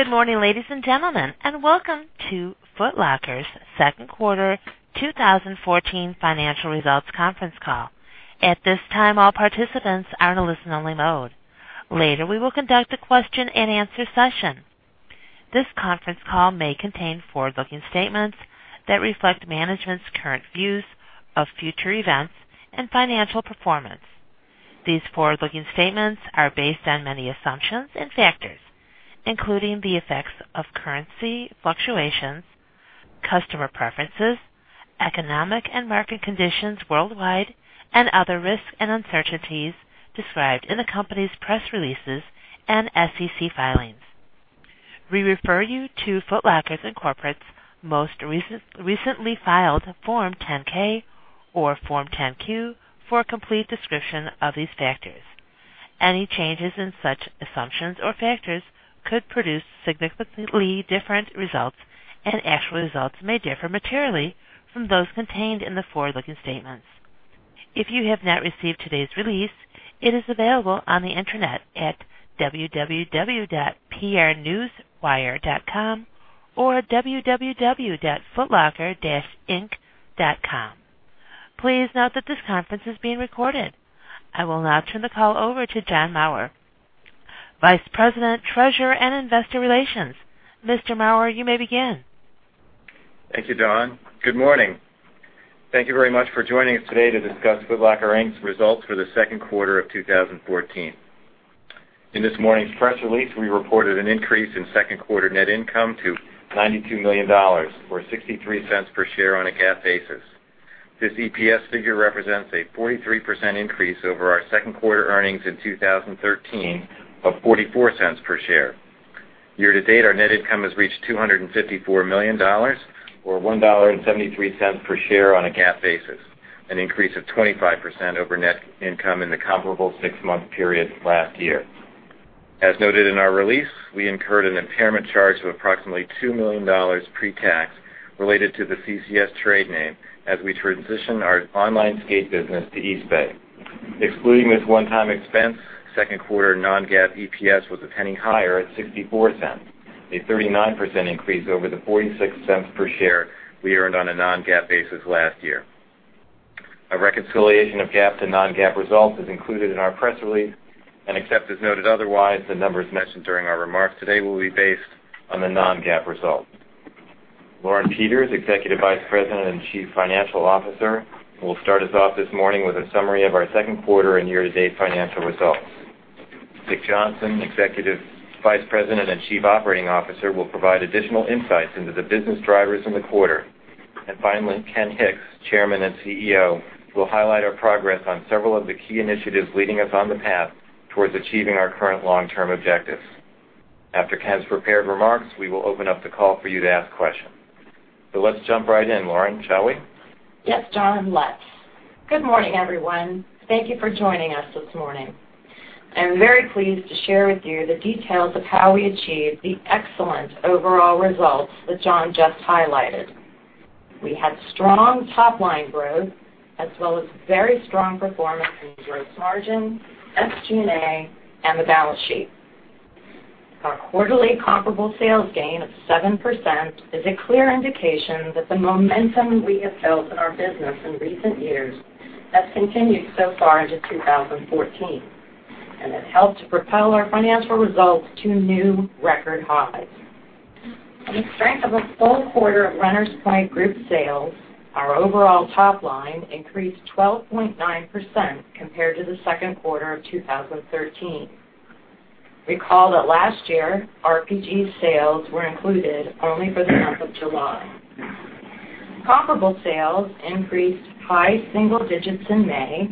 Good morning, ladies and gentlemen, and welcome to Foot Locker's second quarter 2014 financial results conference call. At this time, all participants are in a listen-only mode. Later, we will conduct a question-and-answer session. This conference call may contain forward-looking statements that reflect management's current views of future events and financial performance. These forward-looking statements are based on many assumptions and factors, including the effects of currency fluctuations, customer preferences, economic and market conditions worldwide, and other risks and uncertainties described in the company's press releases and SEC filings. We refer you to Foot Locker, Inc.'s most recently filed Form 10-K or Form 10-Q for a complete description of these factors. Any changes in such assumptions or factors could produce significantly different results, and actual results may differ materially from those contained in the forward-looking statements. If you have not received today's release, it is available on the Internet at www.prnewswire.com or www.footlocker-inc.com. Please note that this conference is being recorded. I will now turn the call over to John Maurer, Vice President, Treasurer, and Investor Relations. Mr. Maurer, you may begin. Thank you, Dawn. Good morning. Thank you very much for joining us today to discuss Foot Locker, Inc.'s results for the second quarter of 2014. In this morning's press release, we reported an increase in second quarter net income to $92 million, or $0.63 per share on a GAAP basis. This EPS figure represents a 43% increase over our second quarter earnings in 2013 of $0.44 per share. Year-to-date, our net income has reached $254 million, or $1.73 per share on a GAAP basis, an increase of 25% over net income in the comparable six-month period last year. As noted in our release, we incurred an impairment charge of approximately $2 million pre-tax related to the CCS trade name as we transition our online skate business to Eastbay. Excluding this one-time expense, second quarter non-GAAP EPS was a penny higher at $0.64, a 39% increase over the $0.46 per share we earned on a non-GAAP basis last year. A reconciliation of GAAP to non-GAAP results is included in our press release, and except as noted otherwise, the numbers mentioned during our remarks today will be based on the non-GAAP results. Lauren Peters, Executive Vice President and Chief Financial Officer, will start us off this morning with a summary of our second quarter and year-to-date financial results. Dick Johnson, Executive Vice President and Chief Operating Officer, will provide additional insights into the business drivers in the quarter. Finally, Ken Hicks, Chairman and CEO, will highlight our progress on several of the key initiatives leading us on the path towards achieving our current long-term objectives. After Ken's prepared remarks, we will open up the call for you to ask questions. Let's jump right in. Lauren, shall we? Yes, John, let's. Good morning, everyone. Thank you for joining us this morning. I'm very pleased to share with you the details of how we achieved the excellent overall results that John just highlighted. We had strong top-line growth as well as very strong performance in gross margin, SG&A, and the balance sheet. Our quarterly comparable sales gain of 7% is a clear indication that the momentum we have built in our business in recent years has continued so far into 2014, and it helped to propel our financial results to new record highs. With the strength of a full quarter of Runners Point Group sales, our overall top line increased 12.9% compared to the second quarter of 2013. Recall that last year, RPG's sales were included only for the month of July. Comparable sales increased high single digits in May,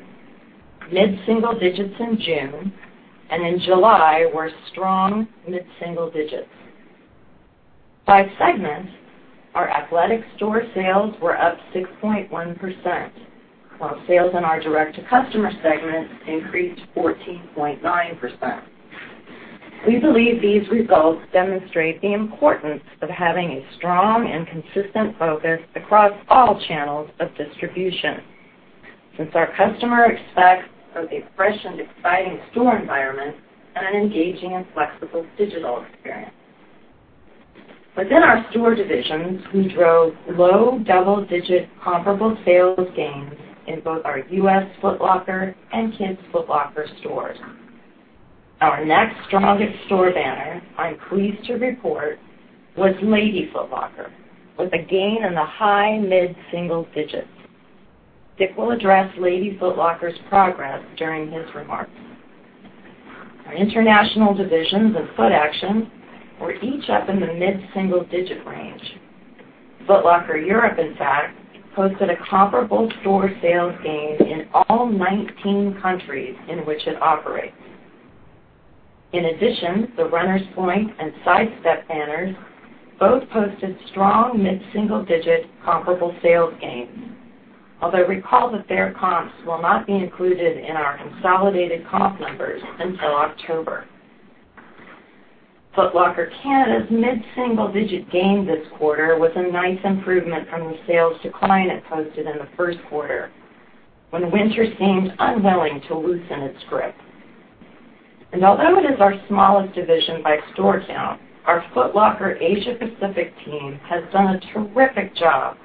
mid-single digits in June, and in July were strong mid-single digits. By segment, our athletic store sales were up 6.1%, while sales in our direct-to-customer segment increased 14.9%. We believe these results demonstrate the importance of having a strong and consistent focus across all channels of distribution, since our customer expects both a fresh and exciting store environment and an engaging and flexible digital experience. Within our store divisions, we drove low double-digit comparable sales gains in both our U.S. Foot Locker and Kids Foot Locker stores. Our next strongest store banner, I'm pleased to report, was Lady Foot Locker, with a gain in the high mid-single digits. Dick will address Lady Foot Locker's progress during his remarks. Our international divisions of Footaction were each up in the mid-single-digit range. Foot Locker Europe, in fact, posted a comparable store sales gain in all 19 countries in which it operates. In addition, the Runners Point and Sidestep banners both posted strong mid-single-digit comparable sales gains. Although recall that their comps will not be included in our consolidated comp numbers until October. Foot Locker Canada's mid-single-digit gain this quarter was a nice improvement from the sales decline it posted in the first quarter. When winter seemed unwilling to loosen its grip. Although it is our smallest division by store count, our Foot Locker Asia Pacific team has done a terrific job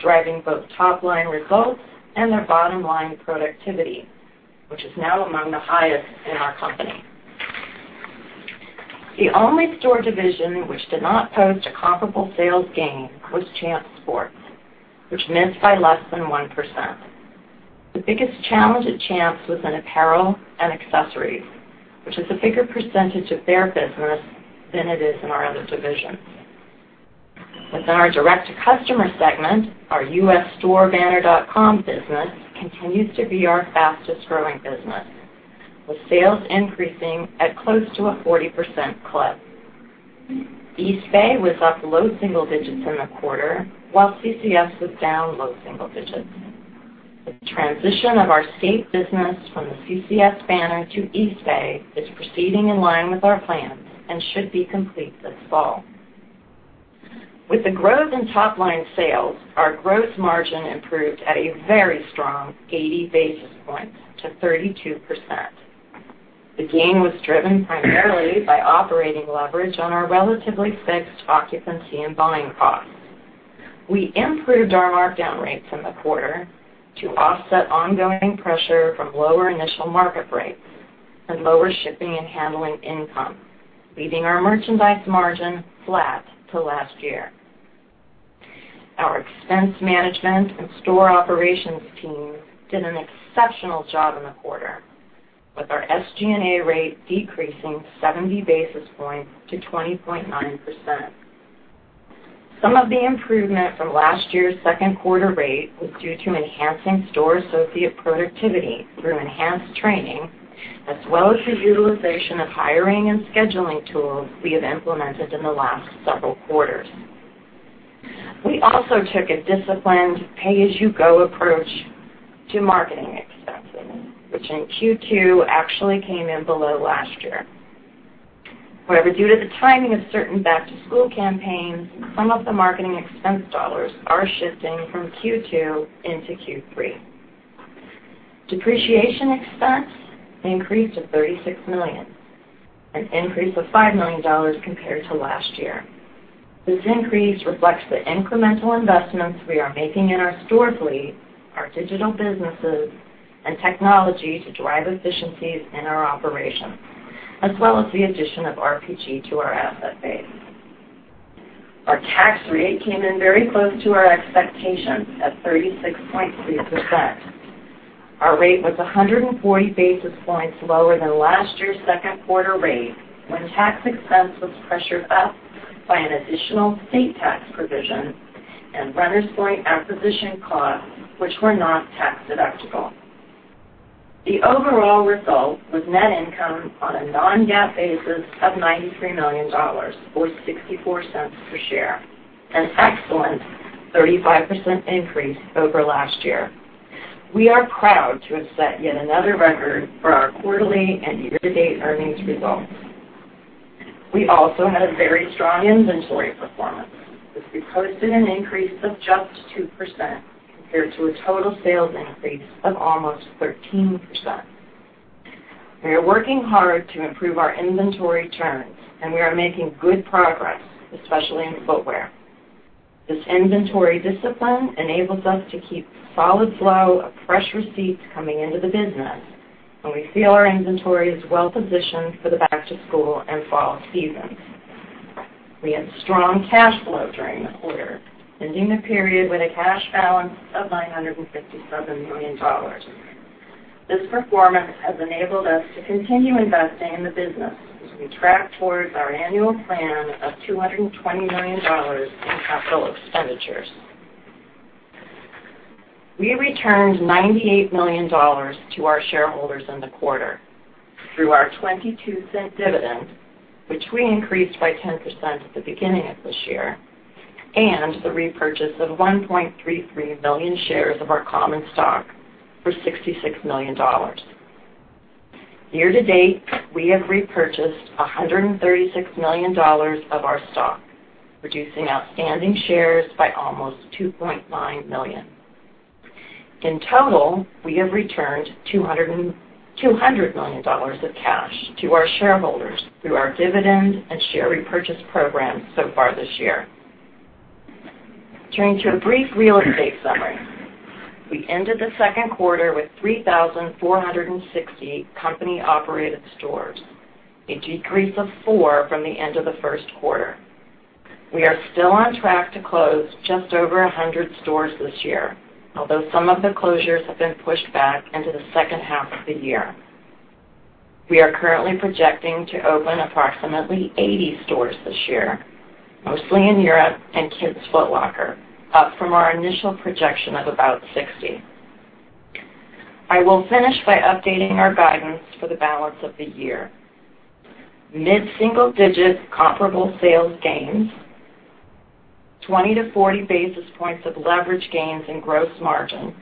driving both top-line results and their bottom-line productivity, which is now among the highest in our company. The only store division which did not post a comparable sales gain was Champs Sports, which missed by less than 1%. The biggest challenge at Champs was in apparel and accessories, which is a bigger percentage of their business than it is in our other divisions. Within our direct-to-customer segment, our U.S. storebanner.com business continues to be our fastest-growing business, with sales increasing at close to a 40% clip. Eastbay was up low single digits in the quarter, while CCS was down low single digits. The transition of our skate business from the CCS banner to Eastbay is proceeding in line with our plans and should be complete this fall. With the growth in top-line sales, our gross margin improved at a very strong 80 basis points to 32%. The gain was driven primarily by operating leverage on our relatively fixed occupancy and buying costs. We improved our markdown rates in the quarter to offset ongoing pressure from lower initial markup rates and lower shipping and handling income, leaving our merchandise margin flat to last year. Our expense management and store operations teams did an exceptional job in the quarter, with our SG&A rate decreasing 70 basis points to 20.9%. Some of the improvement from last year's second quarter rate was due to enhancing store associate productivity through enhanced training, as well as the utilization of hiring and scheduling tools we have implemented in the last several quarters. We also took a disciplined pay-as-you-go approach to marketing expenses, which in Q2 actually came in below last year. However, due to the timing of certain back-to-school campaigns, some of the marketing expense dollars are shifting from Q2 into Q3. Depreciation expense increased to $36 million, an increase of $5 million compared to last year. This increase reflects the incremental investments we are making in our store fleet, our digital businesses, and technology to drive efficiencies in our operations, as well as the addition of RPG to our asset base. Our tax rate came in very close to our expectations at 36.3%. Our rate was 140 basis points lower than last year's second quarter rate, when tax expense was pressured up by an additional state tax provision and Runners Point acquisition costs, which were not tax-deductible. The overall result was net income on a non-GAAP basis of $93 million, or $0.64 per share, an excellent 35% increase over last year. We are proud to have set yet another record for our quarterly and year-to-date earnings results. We also had a very strong inventory performance, as we posted an increase of just 2% compared to a total sales increase of almost 13%. We are working hard to improve our inventory turns, and we are making good progress, especially in footwear. This inventory discipline enables us to keep a solid flow of fresh receipts coming into the business, and we feel our inventory is well-positioned for the back-to-school and fall seasons. We had strong cash flow during the quarter, ending the period with a cash balance of $957 million. This performance has enabled us to continue investing in the business as we track towards our annual plan of $220 million in capital expenditures. We returned $98 million to our shareholders in the quarter through our $0.22 dividend, which we increased by 10% at the beginning of this year, and the repurchase of 1.33 million shares of our common stock for $66 million. Year to date, we have repurchased $136 million of our stock, reducing outstanding shares by almost 2.9 million. In total, we have returned $200 million of cash to our shareholders through our dividend and share repurchase program so far this year. Turning to a brief real estate summary. We ended the second quarter with 3,460 company-operated stores, a decrease of four from the end of the first quarter. We are still on track to close just over 100 stores this year, although some of the closures have been pushed back into the second half of the year. We are currently projecting to open approximately 80 stores this year, mostly in Europe and Kids Foot Locker, up from our initial projection of about 60. I will finish by updating our guidance for the balance of the year. Mid-single-digit comparable sales gains, 20-40 basis points of leverage gains in gross margin,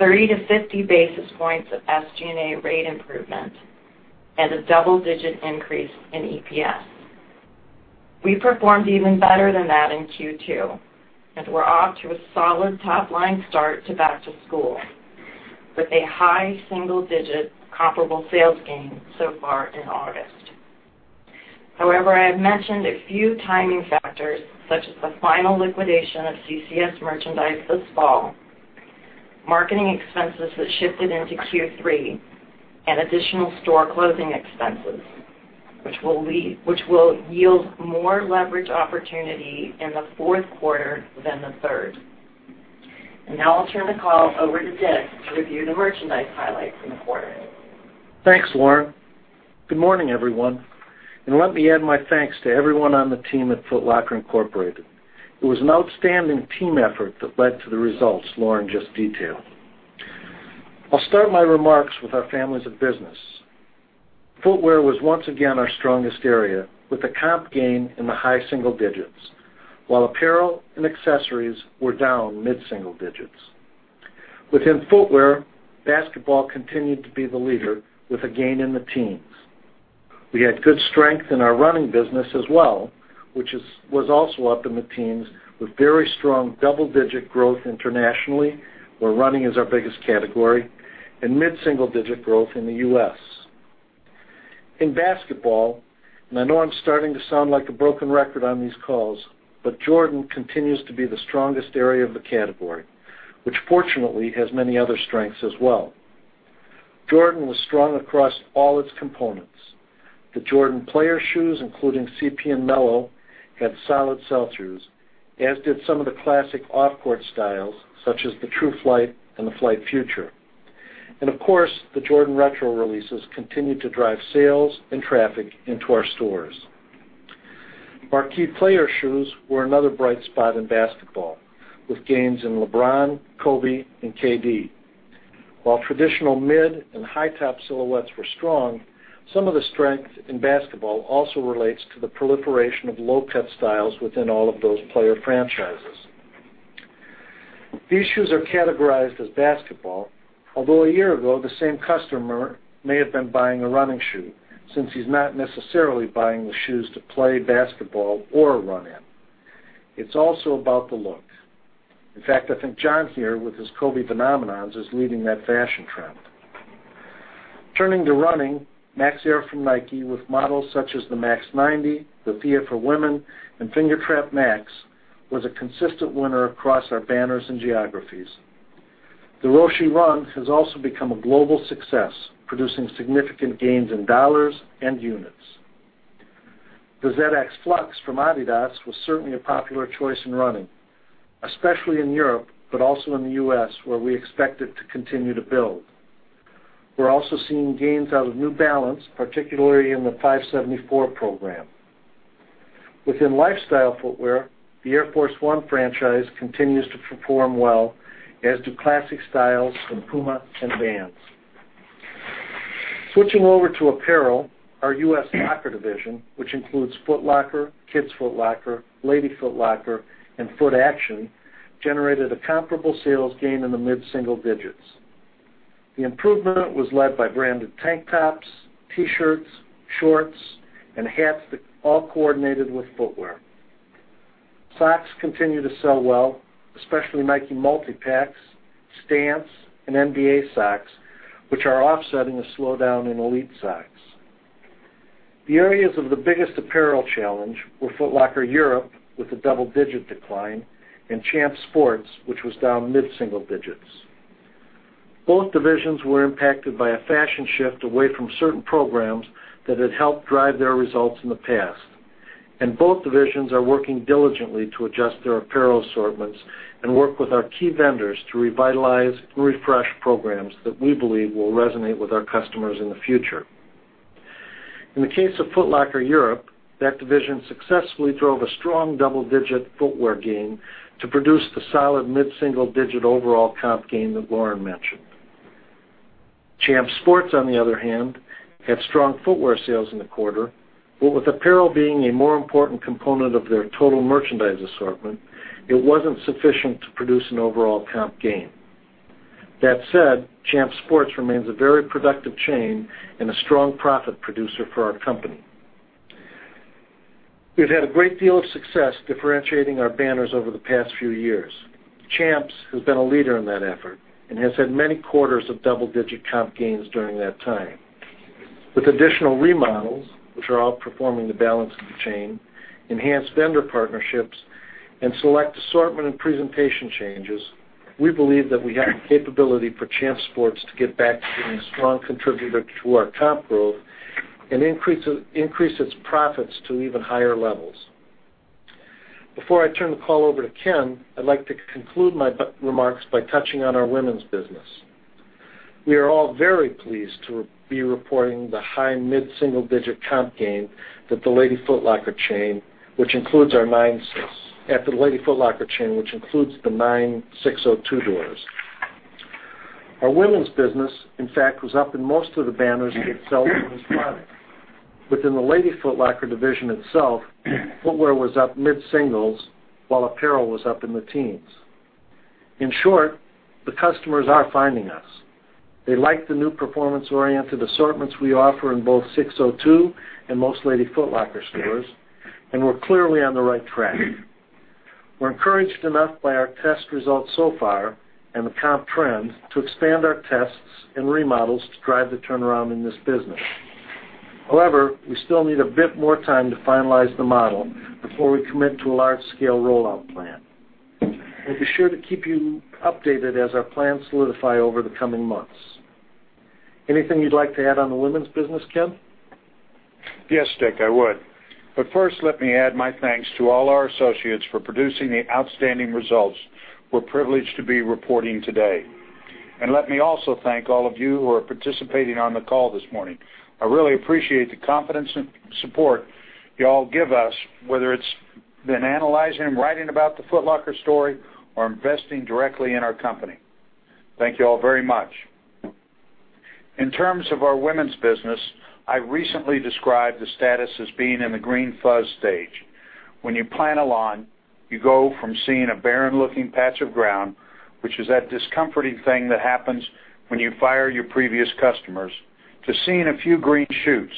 30-50 basis points of SG&A rate improvement, and a double-digit increase in EPS. We performed even better than that in Q2, we're off to a solid top-line start to back-to-school with a high single-digit comparable sales gain so far in August. However, I have mentioned a few timing factors such as the final liquidation of CCS merchandise this fall, marketing expenses that shifted into Q3, and additional store closing expenses, which will yield more leverage opportunity in the fourth quarter than the third. Now I'll turn the call over to Dick to review the merchandise highlights in the quarter. Thanks, Lauren. Good morning, everyone, and let me add my thanks to everyone on the team at Foot Locker, Inc. It was an outstanding team effort that led to the results Lauren just detailed. I'll start my remarks with our families of business. Footwear was once again our strongest area, with a comp gain in the high single digits, while apparel and accessories were down mid-single digits. Within footwear, basketball continued to be the leader, with a gain in the teens. We had good strength in our running business as well, which was also up in the teens with very strong double-digit growth internationally, where running is our biggest category, and mid-single-digit growth in the U.S. In basketball, and I know I'm starting to sound like a broken record on these calls, but Jordan continues to be the strongest area of the category, which fortunately has many other strengths as well. Jordan was strong across all its components. The Jordan player shoes, including CP3 and Melo, had solid sell-throughs, as did some of the classic off-court styles, such as the True Flight and the Future. Of course, the Jordan Retro releases continued to drive sales and traffic into our stores. Marquee player shoes were another bright spot in basketball, with gains in LeBron, Kobe, and KD. While traditional mid and high-top silhouettes were strong, some of the strength in basketball also relates to the proliferation of low-cut styles within all of those player franchises. These shoes are categorized as basketball, although a year ago, the same customer may have been buying a running shoe since he's not necessarily buying the shoes to play basketball or run in. It's also about the look. In fact, I think John here with his Kobe Venomenon is leading that fashion trend. Turning to running, Max Air from Nike with models such as the Air Max 90, the Air Max Thea, and Fingertrap Max, was a consistent winner across our banners and geographies. The Roshe Run has also become a global success, producing significant gains in dollars and units. The ZX Flux from Adidas was certainly a popular choice in running, especially in Europe, but also in the U.S., where we expect it to continue to build. We're also seeing gains out of New Balance, particularly in the 574 program. Within lifestyle footwear, the Air Force 1 franchise continues to perform well, as do classic styles from Puma and Vans. Switching over to apparel, our U.S. Locker division, which includes Foot Locker, Kids Foot Locker, Lady Foot Locker, and Footaction, generated a comparable sales gain in the mid-single digits. The improvement was led by branded tank tops, T-shirts, shorts, and hats that all coordinated with footwear. Socks continue to sell well, especially Nike Multi-Packs, Stance, and NBA socks, which are offsetting a slowdown in elite socks. The areas of the biggest apparel challenge were Foot Locker Europe with a double-digit decline, and Champs Sports, which was down mid-single digits. Both divisions were impacted by a fashion shift away from certain programs that had helped drive their results in the past. Both divisions are working diligently to adjust their apparel assortments and work with our key vendors to revitalize and refresh programs that we believe will resonate with our customers in the future. In the case of Foot Locker Europe, that division successfully drove a strong double-digit footwear gain to produce the solid mid-single-digit overall comp gain that Lauren mentioned. Champs Sports, on the other hand, had strong footwear sales in the quarter, but with apparel being a more important component of their total merchandise assortment, it wasn't sufficient to produce an overall comp gain. That said, Champs Sports remains a very productive chain and a strong profit producer for our company. We've had a great deal of success differentiating our banners over the past few years. Champs has been a leader in that effort and has had many quarters of double-digit comp gains during that time. With additional remodels, which are outperforming the balance of the chain, enhanced vendor partnerships, and select assortment and presentation changes, we believe that we have the capability for Champs Sports to get back to being a strong contributor to our comp growth and increase its profits to even higher levels. Before I turn the call over to Ken, I'd like to conclude my remarks by touching on our women's business. We are all very pleased to be reporting the high mid-single-digit comp gain at the Lady Foot Locker chain, which includes the nine SIX:02 doors. Our women's business, in fact, was up in most of the banners that sell women's product. Within the Lady Foot Locker division itself, footwear was up mid-singles, while apparel was up in the teens. In short, the customers are finding us. They like the new performance-oriented assortments we offer in both SIX:02 and most Lady Foot Locker stores. We're clearly on the right track. We're encouraged enough by our test results so far and the comp trends to expand our tests and remodels to drive the turnaround in this business. We still need a bit more time to finalize the model before we commit to a large-scale rollout plan. We'll be sure to keep you updated as our plans solidify over the coming months. Anything you'd like to add on the women's business, Ken? Yes, Dick, I would. First, let me add my thanks to all our associates for producing the outstanding results we're privileged to be reporting today. Let me also thank all of you who are participating on the call this morning. I really appreciate the confidence and support you all give us, whether it's been analyzing and writing about the Foot Locker story or investing directly in our company. Thank you all very much. In terms of our women's business, I recently described the status as being in the green fuzz stage. When you plant a lawn, you go from seeing a barren-looking patch of ground, which is that discomforting thing that happens when you fire your previous customers, to seeing a few green shoots,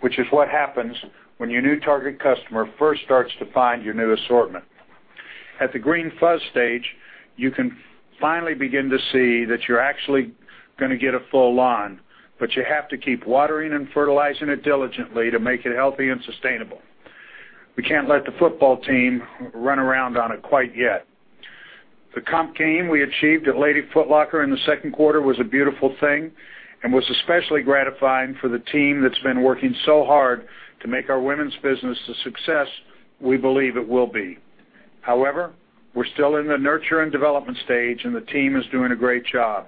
which is what happens when your new target customer first starts to find your new assortment. At the green fuzz stage, you can finally begin to see that you're actually going to get a full lawn, you have to keep watering and fertilizing it diligently to make it healthy and sustainable. We can't let the football team run around on it quite yet. The comp gain we achieved at Lady Foot Locker in the second quarter was a beautiful thing and was especially gratifying for the team that's been working so hard to make our women's business the success we believe it will be. We're still in the nurture and development stage and the team is doing a great job.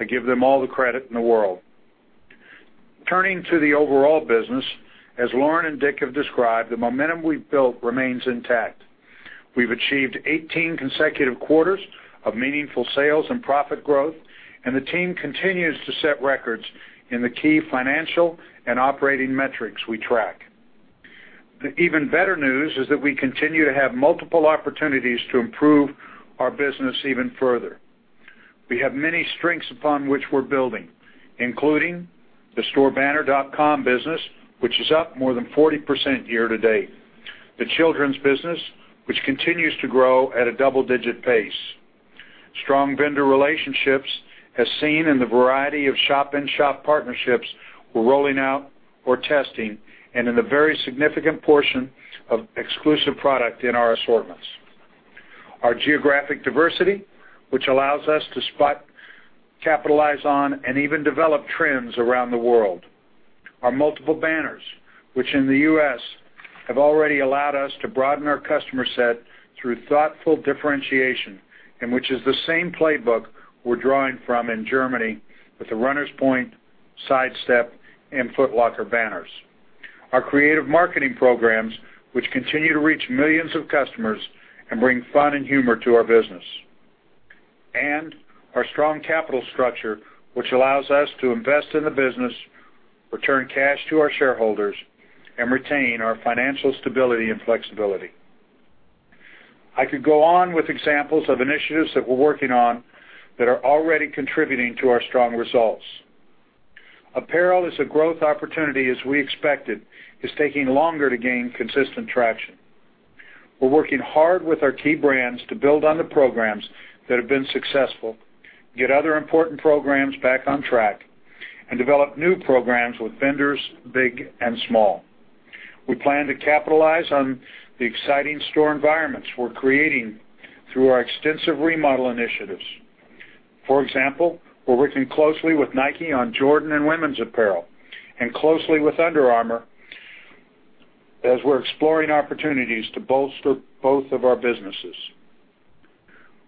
I give them all the credit in the world. Turning to the overall business, as Lauren and Dick have described, the momentum we've built remains intact. We've achieved 18 consecutive quarters of meaningful sales and profit growth. The team continues to set records in the key financial and operating metrics we track. The even better news is that we continue to have multiple opportunities to improve our business even further. We have many strengths upon which we're building, including the storebanner.com business, which is up more than 40% year to date. The children's business, which continues to grow at a double-digit pace. Strong vendor relationships as seen in the variety of shop-in-shop partnerships we're rolling out or testing, and in a very significant portion of exclusive product in our assortments. Our geographic diversity, which allows us to spot, capitalize on, and even develop trends around the world. Our multiple banners, which in the U.S. have already allowed us to broaden our customer set through thoughtful differentiation, which is the same playbook we're drawing from in Germany with the Runners Point, Sidestep, and Foot Locker banners. Our creative marketing programs, which continue to reach millions of customers and bring fun and humor to our business. Our strong capital structure, which allows us to invest in the business, return cash to our shareholders, and retain our financial stability and flexibility. I could go on with examples of initiatives that we're working on that are already contributing to our strong results. Apparel is a growth opportunity, as we expected, is taking longer to gain consistent traction. We're working hard with our key brands to build on the programs that have been successful, get other important programs back on track, and develop new programs with vendors, big and small. We plan to capitalize on the exciting store environments we're creating through our extensive remodel initiatives. For example, we're working closely with Nike on Jordan and women's apparel and closely with Under Armour as we're exploring opportunities to bolster both of our businesses.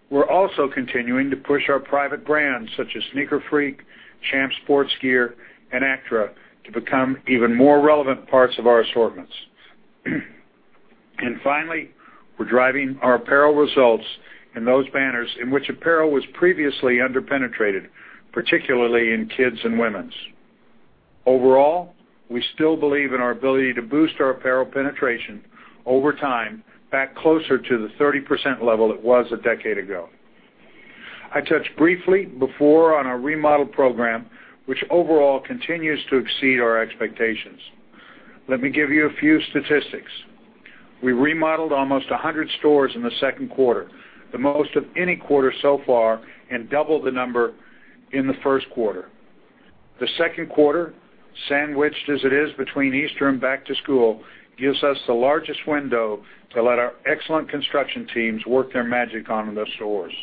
We're also continuing to push our private brands such as Sneaker Freak, Champs Sports Gear, and Attra to become even more relevant parts of our assortments. Finally, we're driving our apparel results in those banners in which apparel was previously underpenetrated, particularly in kids and women's. Overall, we still believe in our ability to boost our apparel penetration over time back closer to the 30% level it was a decade ago. I touched briefly before on our remodel program, which overall continues to exceed our expectations. Let me give you a few statistics. We remodeled almost 100 stores in the second quarter, the most of any quarter so far and double the number in the first quarter. The second quarter, sandwiched as it is between Easter and back to school, gives us the largest window to let our excellent construction teams work their magic on the stores.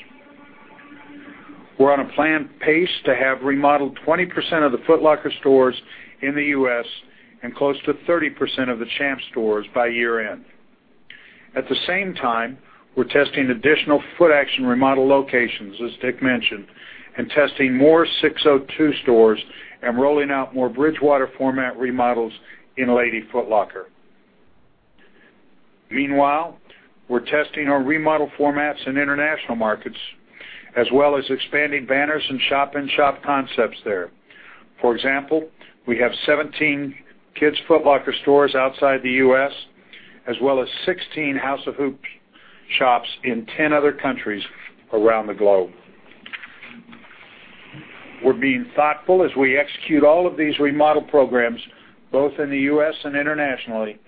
We're on a planned pace to have remodeled 20% of the Foot Locker stores in the U.S. and close to 30% of the Champs stores by year-end. At the same time, we're testing additional Footaction remodel locations, as Dick mentioned, testing more SIX:02 stores and rolling out more Bridgewater format remodels in Lady Foot Locker. Meanwhile, we're testing our remodel formats in international markets, as well as expanding banners and shop-in-shop concepts there. For example, we have 17 Kids Foot Locker stores outside the U.S., as well as 16 House of Hoops shops in 10 other countries around the globe. We're being thoughtful as we execute all of these remodel programs, both in the U.S. and internationally,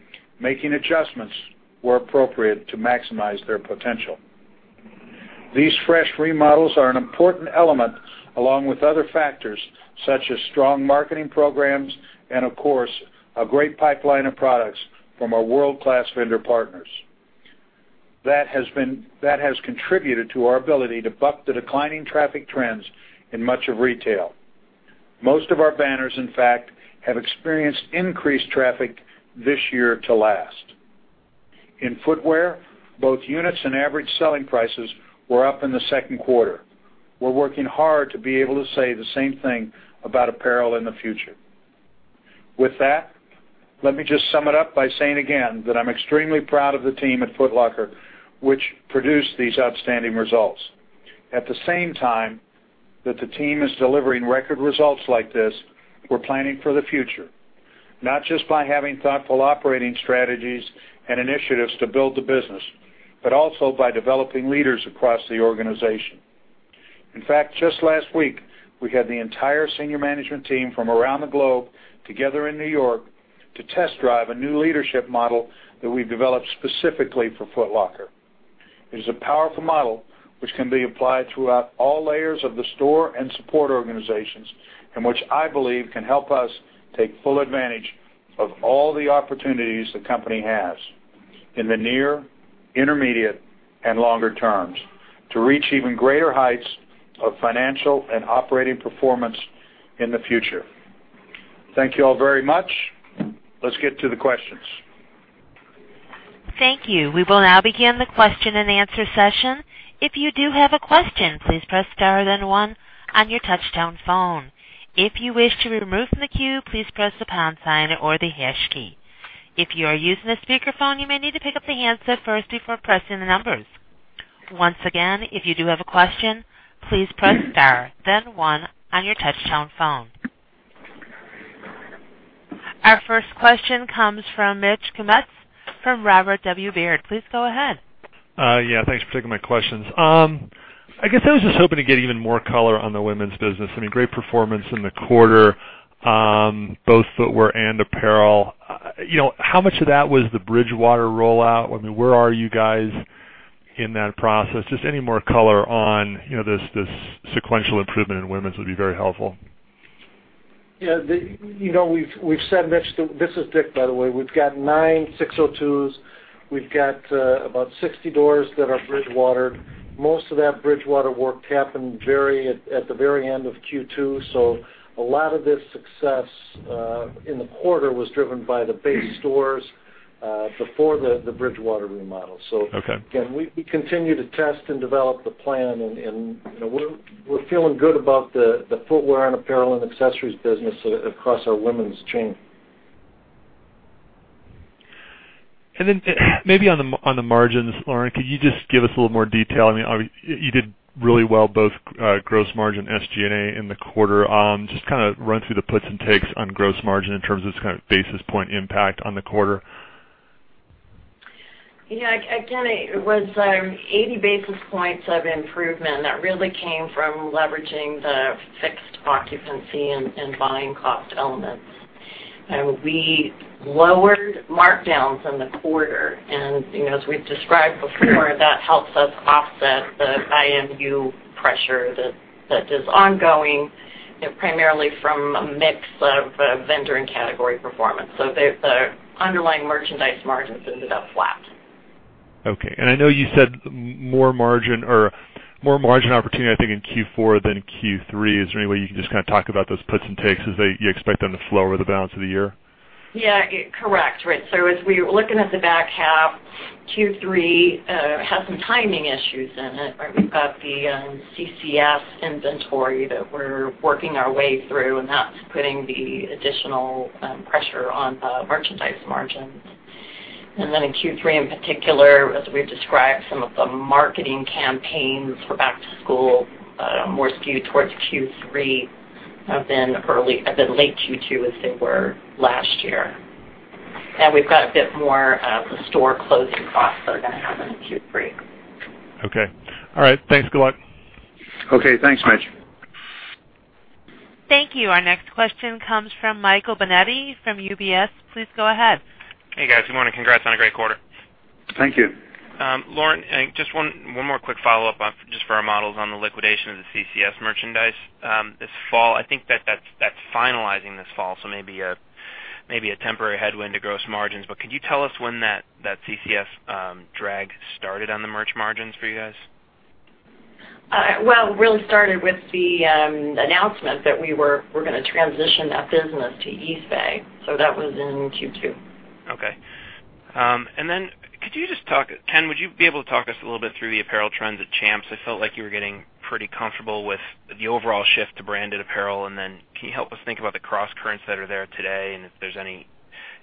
making adjustments where appropriate to maximize their potential. These fresh remodels are an important element, along with other factors such as strong marketing programs and of course, a great pipeline of products from our world-class vendor partners. That has contributed to our ability to buck the declining traffic trends in much of retail. Most of our banners, in fact, have experienced increased traffic this year to last. In footwear, both units and average selling prices were up in the second quarter. We're working hard to be able to say the same thing about apparel in the future. With that, let me just sum it up by saying again that I'm extremely proud of the team at Foot Locker, which produced these outstanding results. At the same time that the team is delivering record results like this, we're planning for the future. Not just by having thoughtful operating strategies and initiatives to build the business, but also by developing leaders across the organization. In fact, just last week, we had the entire senior management team from around the globe together in New York to test drive a new leadership model that we've developed specifically for Foot Locker. It is a powerful model which can be applied throughout all layers of the store and support organizations, which I believe can help us take full advantage of all the opportunities the company has in the near, intermediate, and longer terms to reach even greater heights of financial and operating performance in the future. Thank you all very much. Let's get to the questions. Thank you. We will now begin the question and answer session. If you do have a question, please press star then one on your touchtone phone. If you wish to remove from the queue, please press the pound sign or the hash key. If you are using a speakerphone, you may need to pick up the handset first before pressing the numbers. Once again, if you do have a question, please press star then one on your touchtone phone. Our first question comes from Mitch Kummetz from Robert W. Baird. Please go ahead. Thanks for taking my questions. I guess I was just hoping to get even more color on the women's business. Great performance in the quarter, both footwear and apparel. How much of that was the Bridgewater rollout? Where are you guys in that process? Just any more color on this sequential improvement in women's would be very helpful. This is Dick, by the way. We've got 9 SIX:02s. We've got about 60 doors that are Bridgewater. Most of that Bridgewater work happened at the very end of Q2, a lot of this success in the quarter was driven by the base stores before the Bridgewater remodel. Okay. Again, we continue to test and develop the plan, we're feeling good about the footwear and apparel and accessories business across our women's chain. Maybe on the margins, Lauren, could you just give us a little more detail? You did really well, both gross margin, SG&A in the quarter. Just kind of run through the puts and takes on gross margin in terms of its kind of basis point impact on the quarter. Yeah. Again, it was 80 basis points of improvement that really came from leveraging the fixed occupancy and buying cost elements. We lowered markdowns in the quarter, as we've described before, that helps us offset the IMU pressure that is ongoing, primarily from a mix of vendor and category performance. The underlying merchandise margins ended up flat. Okay. I know you said more margin opportunity I think in Q4 than in Q3. Is there any way you can just kind of talk about those puts and takes as you expect them to flow over the balance of the year? Yeah. Correct. As we're looking at the back half, Q3 has some timing issues in it. We've got the CCS inventory that we're working our way through, that's putting the additional pressure on the merchandise margins. Then in Q3, in particular, as we've described, some of the marketing campaigns for back to school more skewed towards Q3 than late Q2 as they were last year. We've got a bit more of the store closing costs that are going to happen in Q3. Okay. All right. Thanks. Good luck. Okay. Thanks, Mitch. Thank you. Our next question comes from Michael Binetti from UBS. Please go ahead. Hey, guys. Good morning. Congrats on a great quarter. Thank you. Lauren, just one more quick follow-up, just for our models on the liquidation of the CCS merchandise. I think that's finalizing this fall, so maybe a temporary headwind to gross margins, but could you tell us when that CCS drag started on the merch margins for you guys? It really started with the announcement that we were going to transition that business to Eastbay, that was in Q2. Okay. Ken, would you be able to talk us a little bit through the apparel trends at Champs? I felt like you were getting pretty comfortable with the overall shift to branded apparel, then can you help us think about the crosscurrents that are there today and if there's any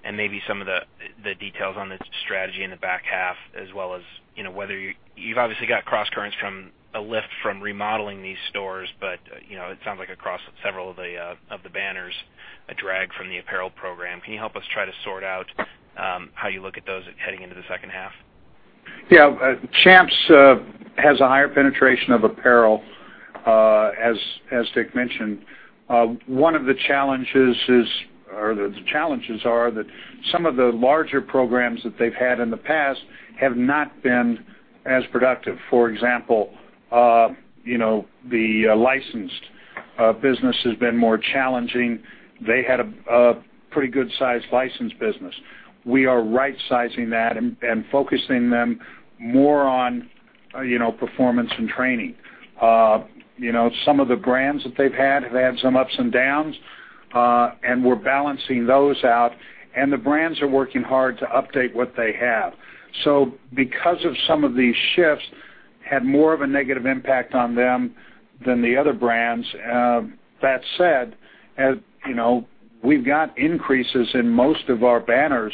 Maybe some of the details on the strategy in the back half, as well as whether you've obviously got cross-currents from a lift from remodeling these stores, but it sounds like across several of the banners, a drag from the apparel program. Can you help us try to sort out how you look at those heading into the second half? Yeah. Champs has a higher penetration of apparel, as Dick mentioned. One of the challenges are that some of the larger programs that they've had in the past have not been as productive. For example, the licensed business has been more challenging. They had a pretty good-sized licensed business. We are right-sizing that and focusing them more on performance and training. Some of the brands that they've had have had some ups and downs, and we're balancing those out. The brands are working hard to update what they have. Because of some of these shifts, had more of a negative impact on them than the other brands. That said, we've got increases in most of our banners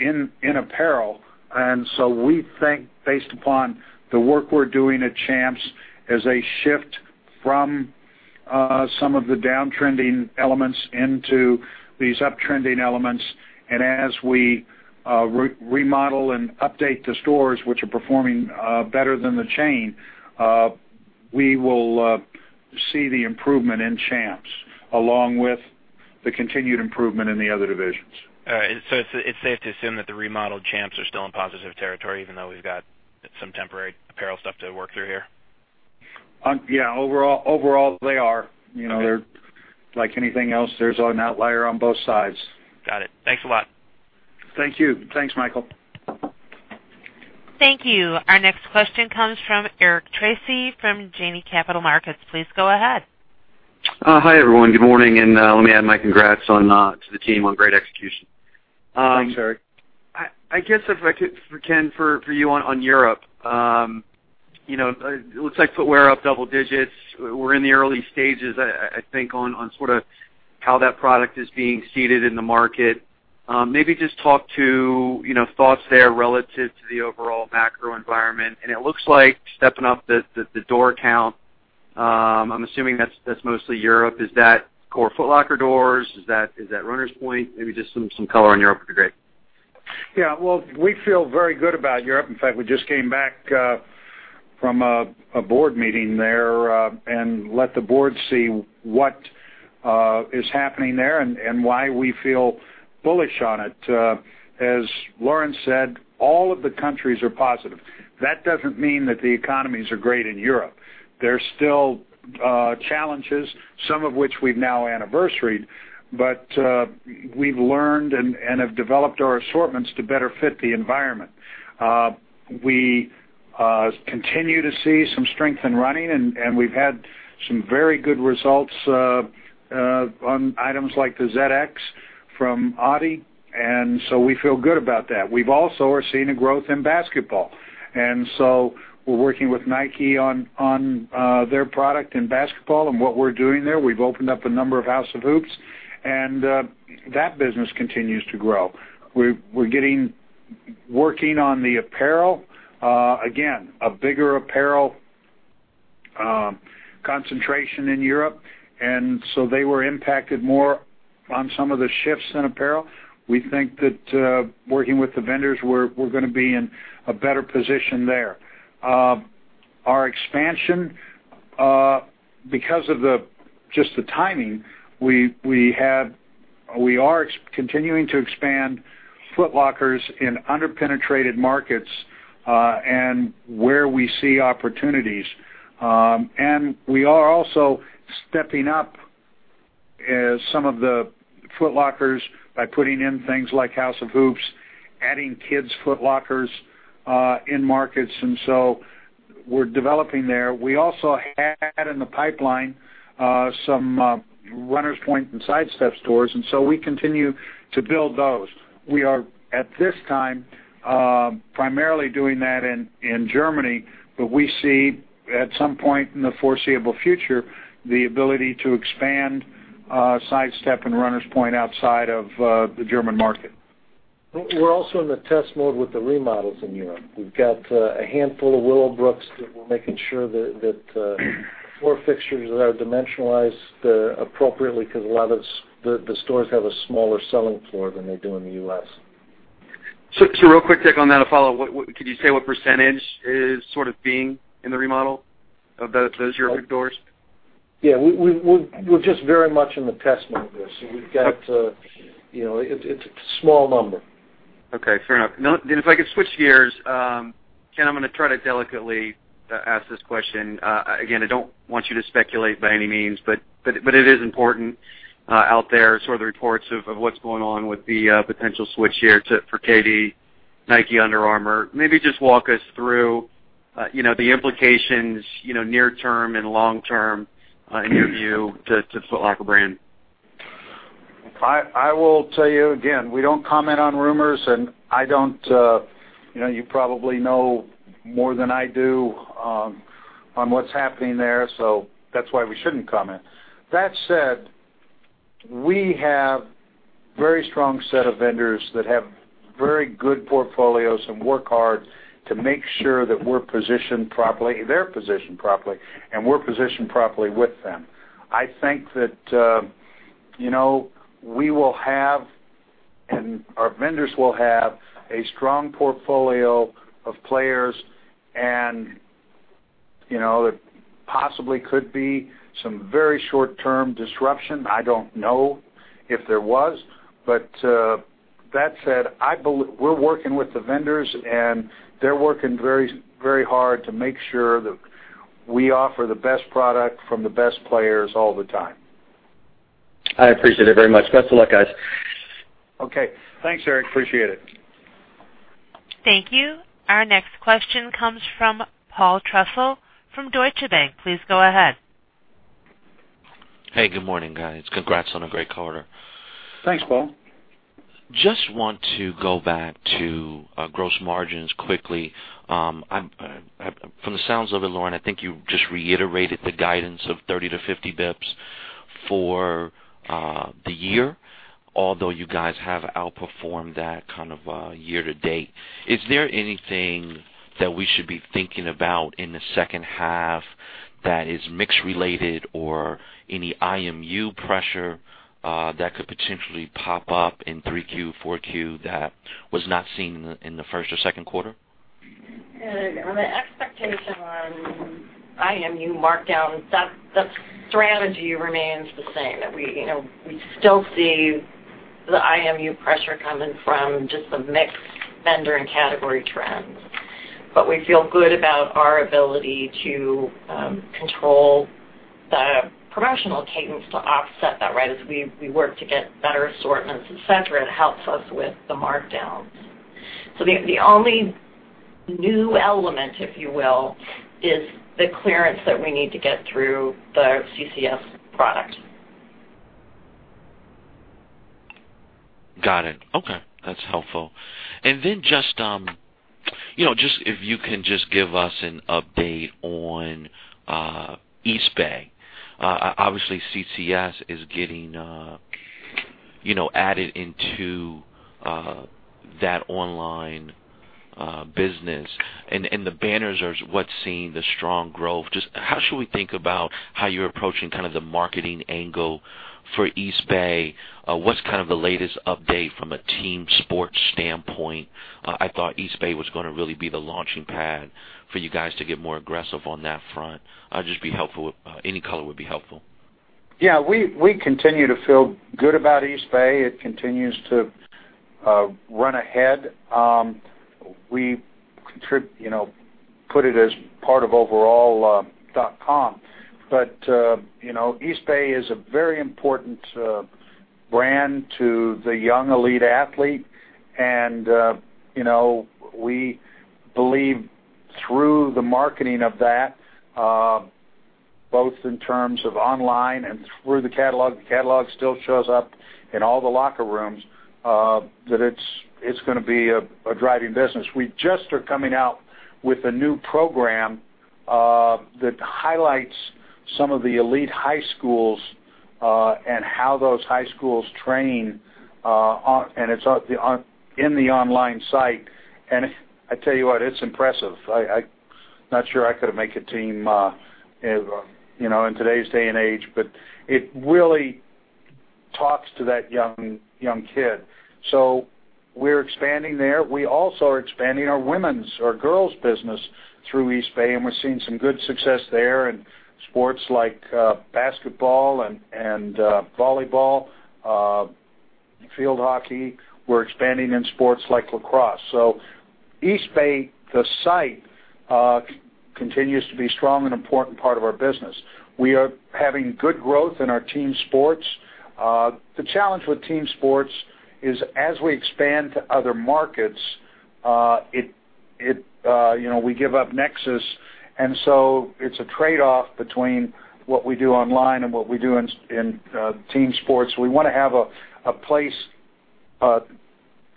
in apparel. We think, based upon the work we're doing at Champs as a shift from some of the downtrending elements into these uptrending elements, as we remodel and update the stores which are performing better than the chain, we will see the improvement in Champs, along with the continued improvement in the other divisions. All right. It's safe to assume that the remodeled Champs are still in positive territory, even though we've got some temporary apparel stuff to work through here? Yeah. Overall, they are. Okay. Like anything else, there's an outlier on both sides. Got it. Thanks a lot. Thank you. Thanks, Michael. Thank you. Our next question comes from Eric Tracy from Janney Montgomery Scott. Please go ahead. Hi, everyone. Good morning. Let me add my congrats to the team on great execution. Thanks, Eric. I guess if I could, for Ken, for you on Europe. It looks like footwear up double digits. We're in the early stages, I think, on sort of how that product is being seeded in the market. Maybe just talk to thoughts there relative to the overall macro environment. It looks like stepping up the door count, I'm assuming that's mostly Europe. Is that core Foot Locker doors? Is that Runners Point? Maybe just some color on Europe would be great. Well, we feel very good about Europe. In fact, we just came back from a board meeting there and let the board see what is happening there and why we feel bullish on it. As Lauren said, all of the countries are positive. That doesn't mean that the economies are great in Europe. There's still challenges, some of which we've now anniversaried, but we've learned and have developed our assortments to better fit the environment. We continue to see some strength in running. We've had some very good results on items like the ZX from adi. We feel good about that. We've also are seeing a growth in basketball. We're working with Nike on their product in basketball and what we're doing there. We've opened up a number of House of Hoops and that business continues to grow. We're working on the apparel. Again, a bigger apparel concentration in Europe. They were impacted more on some of the shifts in apparel. We think that working with the vendors, we're going to be in a better position there. Our expansion because of just the timing, we are continuing to expand Foot Lockers in under-penetrated markets, and where we see opportunities. We are also stepping up some of the Foot Lockers by putting in things like House of Hoops, adding Kids Foot Lockers in markets. We're developing there. We also had in the pipeline some Runners Point and Sidestep stores. We continue to build those. We are, at this time, primarily doing that in Germany, but we see at some point in the foreseeable future, the ability to expand Sidestep and Runners Point outside of the German market. We're also in the test mode with the remodels in Europe. We've got a handful of Willowbrook that we're making sure that floor fixtures are dimensionalized appropriately because a lot of the stores have a smaller selling floor than they do in the U.S. Just a real quick take on that, a follow-up. Could you say what % is sort of being in the remodel of those Europe doors? We're just very much in the test mode there. It's a small number. Fair enough. If I could switch gears. Ken, I'm going to try to delicately ask this question. Again, I don't want you to speculate by any means, but it is important out there, sort of the reports of what's going on with the potential switch here for KD, Nike, Under Armour. Maybe just walk us through the implications, near term and long term, in your view, to Foot Locker brand. I will tell you again, we don't comment on rumors. You probably know more than I do on what's happening there, so that's why we shouldn't comment. That said, we have very strong set of vendors that have very good portfolios and work hard to make sure that they're positioned properly, and we're positioned properly with them. I think that we will have, and our vendors will have, a strong portfolio of players and possibly could be some very short-term disruption. I don't know if there was. That said, we're working with the vendors, and they're working very hard to make sure that we offer the best product from the best players all the time. I appreciate it very much. Best of luck, guys. Okay. Thanks, Eric. Appreciate it. Thank you. Our next question comes from Paul Trussell from Deutsche Bank. Please go ahead. Hey, good morning, guys. Congrats on a great quarter. Thanks, Paul. Just want to go back to gross margins quickly. From the sounds of it, Lauren, I think you just reiterated the guidance of 30 to 50 basis points for the year, although you guys have outperformed that kind of year-to-date. Is there anything that we should be thinking about in the second half that is mix-related or any IMU pressure that could potentially pop up in Q3, Q4 that was not seen in the first or second quarter? On the expectation on IMU markdown, that strategy remains the same. We still see the IMU pressure coming from just the mix vendor and category trends. We feel good about our ability to control the promotional cadence to offset that. We work to get better assortments, et cetera, it helps us with the markdowns. The only new element, if you will, is the clearance that we need to get through the CCS product. Got it. Okay. That's helpful. If you can just give us an update on Eastbay. Obviously, CCS is getting added into that online business, and the banners are what's seen the strong growth. Just how should we think about how you're approaching the marketing angle for Eastbay? What's the latest update from a team sports standpoint? I thought Eastbay was going to really be the launching pad for you guys to get more aggressive on that front. Any color would be helpful. We continue to feel good about Eastbay. It continues to run ahead. We put it as part of overall .com. Eastbay is a very important brand to the young elite athlete, and we believe through the marketing of that, both in terms of online and through the catalog, the catalog still shows up in all the locker rooms, that it's going to be a driving business. We just are coming out with a new program that highlights some of the elite high schools and how those high schools train, and it's in the online site. I tell you what, it's impressive. I'm not sure I could have made a team in today's day and age, but it really talks to that young kid. We're expanding there. We also are expanding our women's or girls' business through Eastbay, and we're seeing some good success there in sports like basketball and volleyball, field hockey. We're expanding in sports like lacrosse. Eastbay, the site, continues to be strong and important part of our business. We are having good growth in our team sports. The challenge with team sports is as we expand to other markets, we give up nexus, it's a trade-off between what we do online and what we do in team sports. We want to have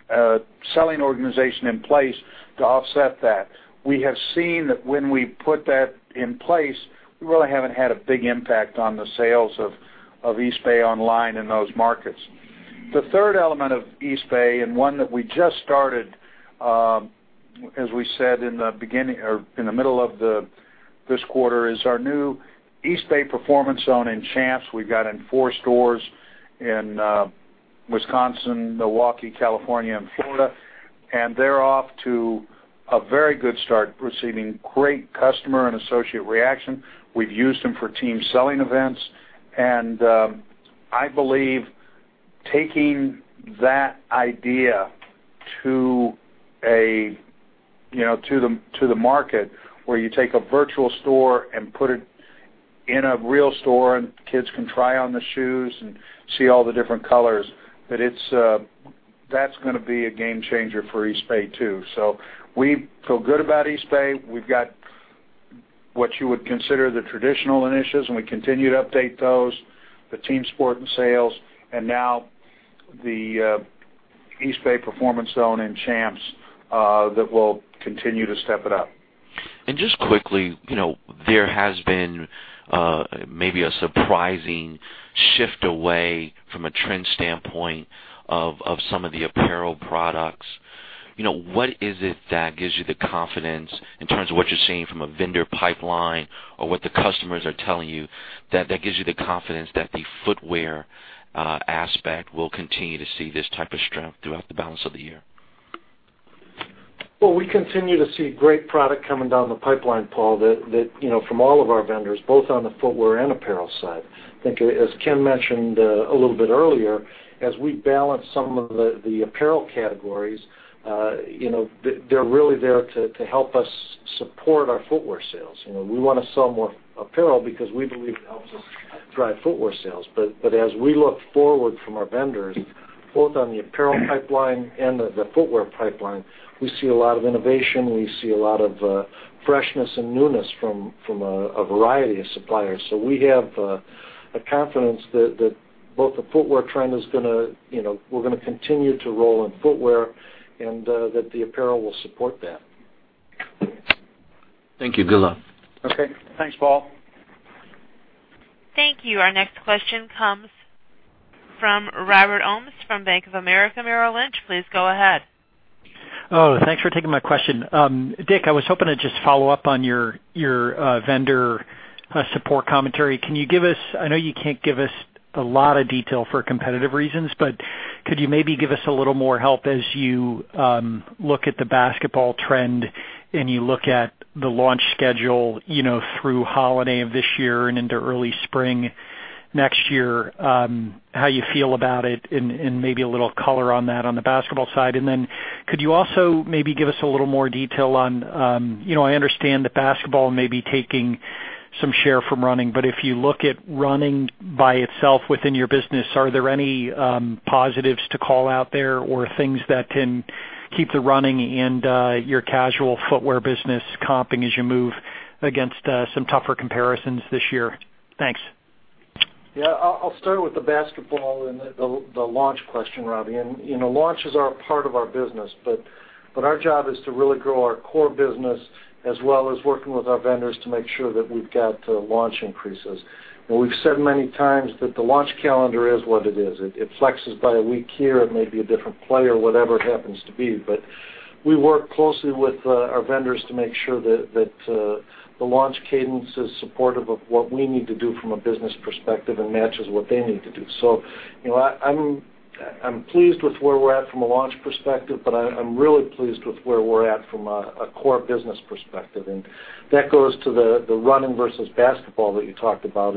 a selling organization in place to offset that. We have seen that when we put that in place, we really haven't had a big impact on the sales of Eastbay online in those markets. The third element of Eastbay, one that we just started, as we said in the middle of this quarter, is our new Eastbay Performance Zone in Champs. We've got in four stores in Wisconsin, Milwaukee, California, and Florida, and they're off to a very good start, receiving great customer and associate reaction. We've used them for team selling events. I believe taking that idea to the market where you take a virtual store and put it in a real store and kids can try on the shoes and see all the different colors, that's going to be a game changer for Eastbay, too. We feel good about Eastbay. What you would consider the traditional initiatives, we continue to update those, the team sport and sales, now the Eastbay Performance Zone and Champs that will continue to step it up. Just quickly, there has been maybe a surprising shift away from a trend standpoint of some of the apparel products. What is it that gives you the confidence in terms of what you're seeing from a vendor pipeline or what the customers are telling you, that gives you the confidence that the footwear aspect will continue to see this type of strength throughout the balance of the year? We continue to see great product coming down the pipeline, Paul, from all of our vendors, both on the footwear and apparel side. I think as Ken mentioned a little bit earlier, as we balance some of the apparel categories, they're really there to help us support our footwear sales. We want to sell more apparel because we believe it helps us drive footwear sales. As we look forward from our vendors, both on the apparel pipeline and the footwear pipeline, we see a lot of innovation, we see a lot of freshness and newness from a variety of suppliers. We have a confidence that both the footwear trend is going to continue to roll in footwear and that the apparel will support that. Thank you. Good luck. Okay. Thanks, Paul. Thank you. Our next question comes from Robert Ohmes from Bank of America Merrill Lynch. Please go ahead. Thanks for taking my question. Dick, I was hoping to just follow up on your vendor support commentary. I know you can't give us a lot of detail for competitive reasons, but could you maybe give us a little more help as you look at the basketball trend and you look at the launch schedule through holiday of this year and into early spring next year, how you feel about it and maybe a little color on that on the basketball side? Then could you also maybe give us a little more detail on. I understand that basketball may be taking some share from running, but if you look at running by itself within your business, are there any positives to call out there or things that can keep the running and your casual footwear business comping as you move against some tougher comparisons this year? Thanks. I'll start with the basketball and the launch question, Robbie. Launches are a part of our business, but our job is to really grow our core business as well as working with our vendors to make sure that we've got launch increases. We've said many times that the launch calendar is what it is. It flexes by a week here. It may be a different play or whatever it happens to be, but we work closely with our vendors to make sure that the launch cadence is supportive of what we need to do from a business perspective and matches what they need to do. I'm pleased with where we're at from a launch perspective, but I'm really pleased with where we're at from a core business perspective. That goes to the running versus basketball that you talked about.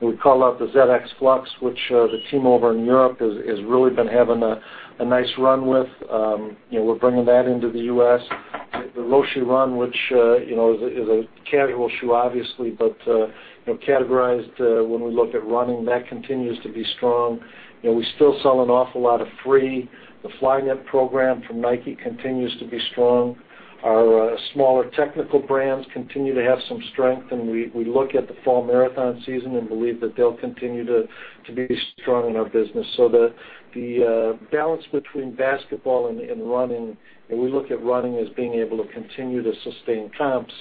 We call out the ZX Flux, which the team over in Europe has really been having a nice run with. We're bringing that into the U.S. The Roshe Run, which is a casual shoe, obviously, but categorized when we look at running, that continues to be strong. We still sell an awful lot of Free. The Flyknit program from Nike continues to be strong. Our smaller technical brands continue to have some strength, and we look at the fall marathon season and believe that they'll continue to be strong in our business. The balance between basketball and running, we look at running as being able to continue to sustain comps.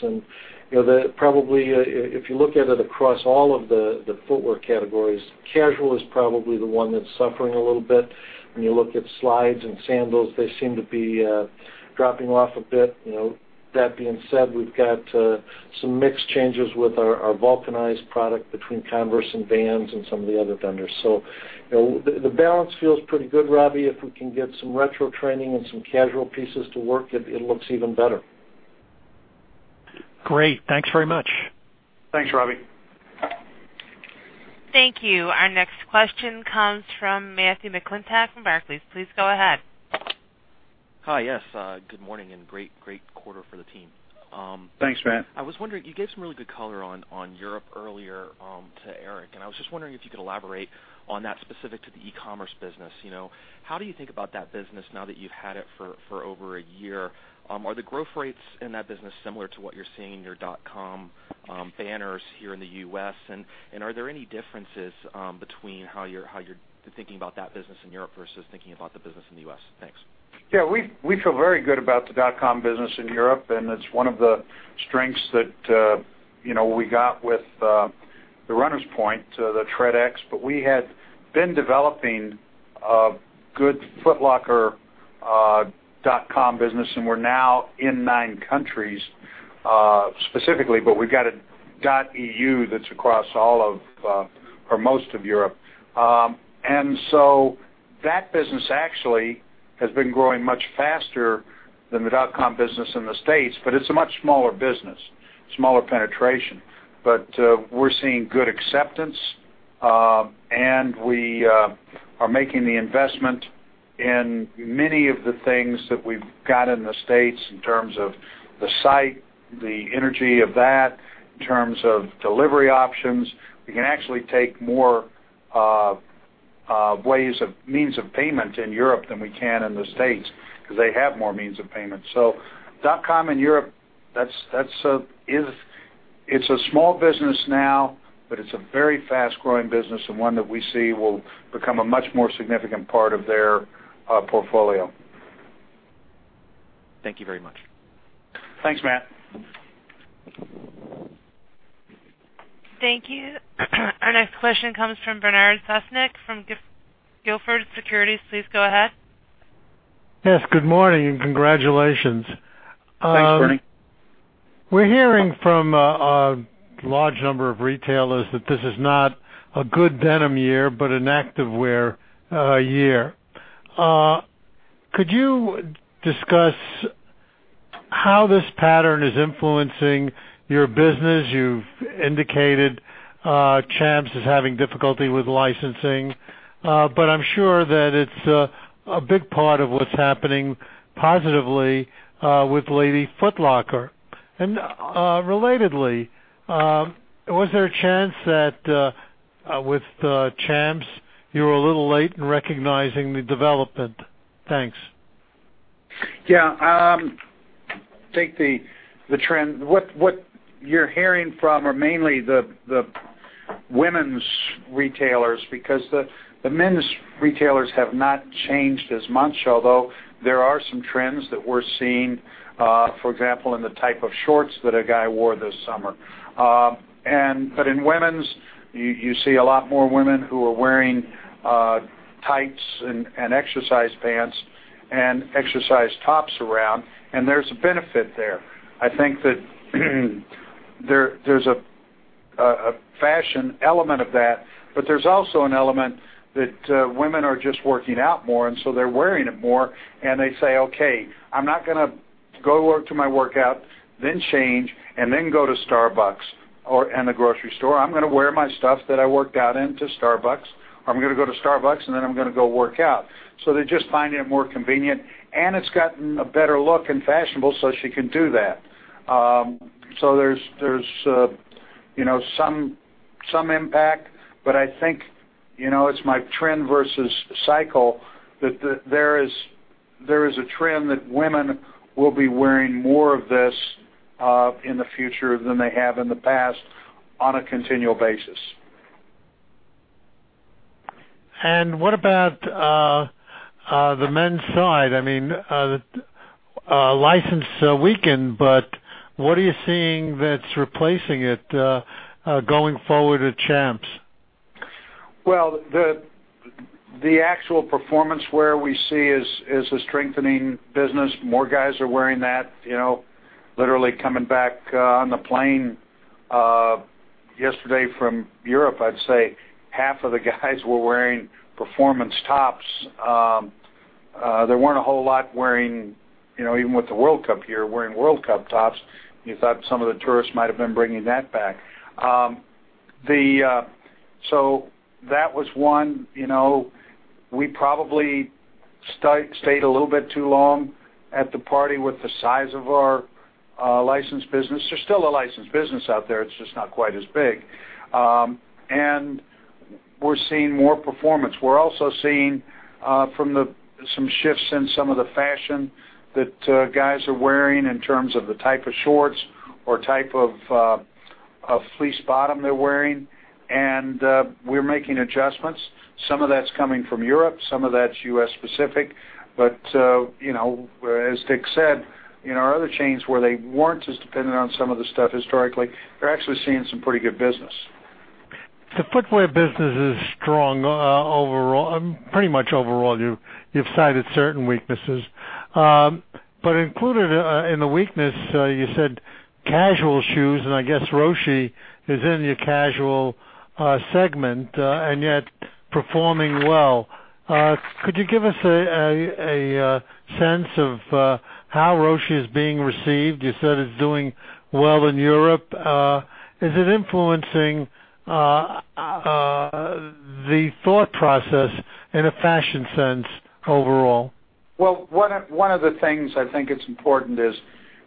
Probably, if you look at it across all of the footwear categories, casual is probably the one that's suffering a little bit. When you look at slides and sandals, they seem to be dropping off a bit. That being said, we've got some mix changes with our vulcanized product between Converse and Vans and some of the other vendors. The balance feels pretty good, Robbie. If we can get some retro training and some casual pieces to work, it looks even better. Great. Thanks very much. Thanks, Robbie. Thank you. Our next question comes from Matthew McClintock from Barclays. Please go ahead. Hi. Yes. Good morning, and great quarter for the team. Thanks, Matt. I was wondering, you gave some really good color on Europe earlier to Eric, and I was just wondering if you could elaborate on that specific to the e-commerce business. How do you think about that business now that you've had it for over a year? Are the growth rates in that business similar to what you're seeing in your .com banners here in the U.S.? Are there any differences between how you're thinking about that business in Europe versus thinking about the business in the U.S.? Thanks. Yeah. We feel very good about the .com business in Europe, and it's one of the strengths that we got with the Runners Point, the TreadX, but we had been developing a good footlocker.com business, and we're now in nine countries, specifically, but we've got a .eu that's across all of or most of Europe. That business actually has been growing much faster than the .com business in the U.S., but it's a much smaller business, smaller penetration. We're seeing good acceptance, and we are making the investment in many of the things that we've got in the U.S. in terms of the site, the energy of that, in terms of delivery options. We can actually take more Ways of means of payment in Europe than we can in the States, because they have more means of payment. dot-com in Europe, it's a small business now, but it's a very fast-growing business and one that we see will become a much more significant part of their portfolio. Thank you very much. Thanks, Matt. Thank you. Our next question comes from Bernard Sosnick from Gilford Securities. Please go ahead. Yes, good morning and congratulations. Thanks, Bernie. We're hearing from a large number of retailers that this is not a good denim year, but an activewear year. Could you discuss how this pattern is influencing your business? You've indicated Champs is having difficulty with licensing. I'm sure that it's a big part of what's happening positively with Lady Foot Locker. Relatedly, was there a chance that with Champs, you were a little late in recognizing the development? Thanks. Yeah. I think what you're hearing from are mainly the women's retailers because the men's retailers have not changed as much, although there are some trends that we're seeing, for example, in the type of shorts that a guy wore this summer. In women's, you see a lot more women who are wearing tights and exercise pants and exercise tops around, and there's a benefit there. I think that there's a fashion element of that, but there's also an element that women are just working out more, and so they're wearing it more and they say, "Okay, I'm not going to go to my workout, then change, and then go to Starbucks and the grocery store. I'm going to wear my stuff that I worked out in to Starbucks, or I'm going to go to Starbucks, and then I'm going to go work out." They're just finding it more convenient, it's gotten a better look and fashionable, she can do that. There's some impact, I think, it's my trend versus cycle, that there is a trend that women will be wearing more of this in the future than they have in the past on a continual basis. What about the men's side? License weakened, what are you seeing that's replacing it going forward at Champs? The actual performance wear we see is a strengthening business. More guys are wearing that. Literally coming back on the plane yesterday from Europe, I'd say half of the guys were wearing performance tops. There weren't a whole lot wearing, even with the World Cup here, wearing World Cup tops. You thought some of the tourists might have been bringing that back. That was one. We probably stayed a little bit too long at the party with the size of our license business. There's still a license business out there, it's just not quite as big. We're seeing more performance. We're also seeing some shifts in some of the fashion that guys are wearing in terms of the type of shorts or type of fleece bottom they're wearing. We're making adjustments. Some of that's coming from Europe, some of that's U.S.-specific. As Dick said, our other chains where they weren't as dependent on some of the stuff historically, they're actually seeing some pretty good business. The footwear business is strong pretty much overall. You've cited certain weaknesses. Included in the weakness, you said casual shoes, and I guess Roshe is in your casual segment, and yet performing well. Could you give us a sense of how Roshe is being received? You said it's doing well in Europe. Is it influencing the thought process in a fashion sense overall? Well, one of the things I think it's important is,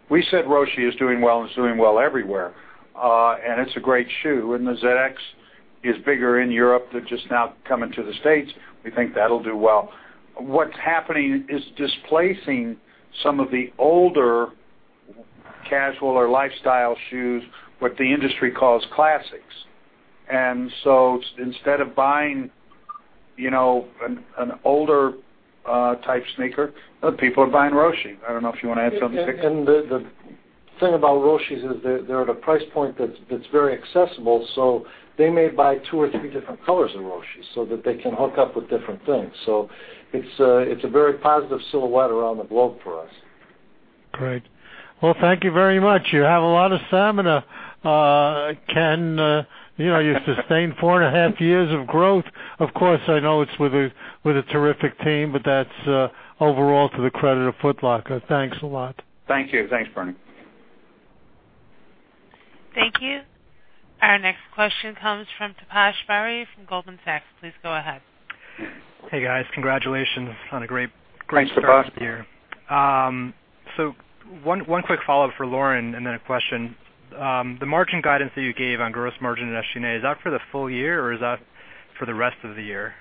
we said Roshe is doing well, and it's doing well everywhere. It's a great shoe. The ZX is bigger in Europe. They're just now coming to the States. We think that'll do well. What's happening is displacing some of the older casual or lifestyle shoes, what the industry calls classics. Instead of buying an older type sneaker, people are buying Roshe. I don't know if you want to add something, Dick. The thing about Roshes is they're at a price point that's very accessible. They may buy two or three different colors of Roshes so that they can hook up with different things. It's a very positive silhouette around the globe for us. Great. Well, thank you very much. You have a lot of stamina, Ken. You sustained four and a half years of growth. Of course, I know it's with a terrific team, but that's overall to the credit of Foot Locker. Thanks a lot. Thank you. Thanks, Bernie. Thank you. Our next question comes from Taposh Bari from Goldman Sachs. Please go ahead. Hey guys, congratulations on a great start here. Thanks. One quick follow-up for Lauren, and then a question. The margin guidance that you gave on gross margin at SG&A, is that for the full year or is that for the rest of the year?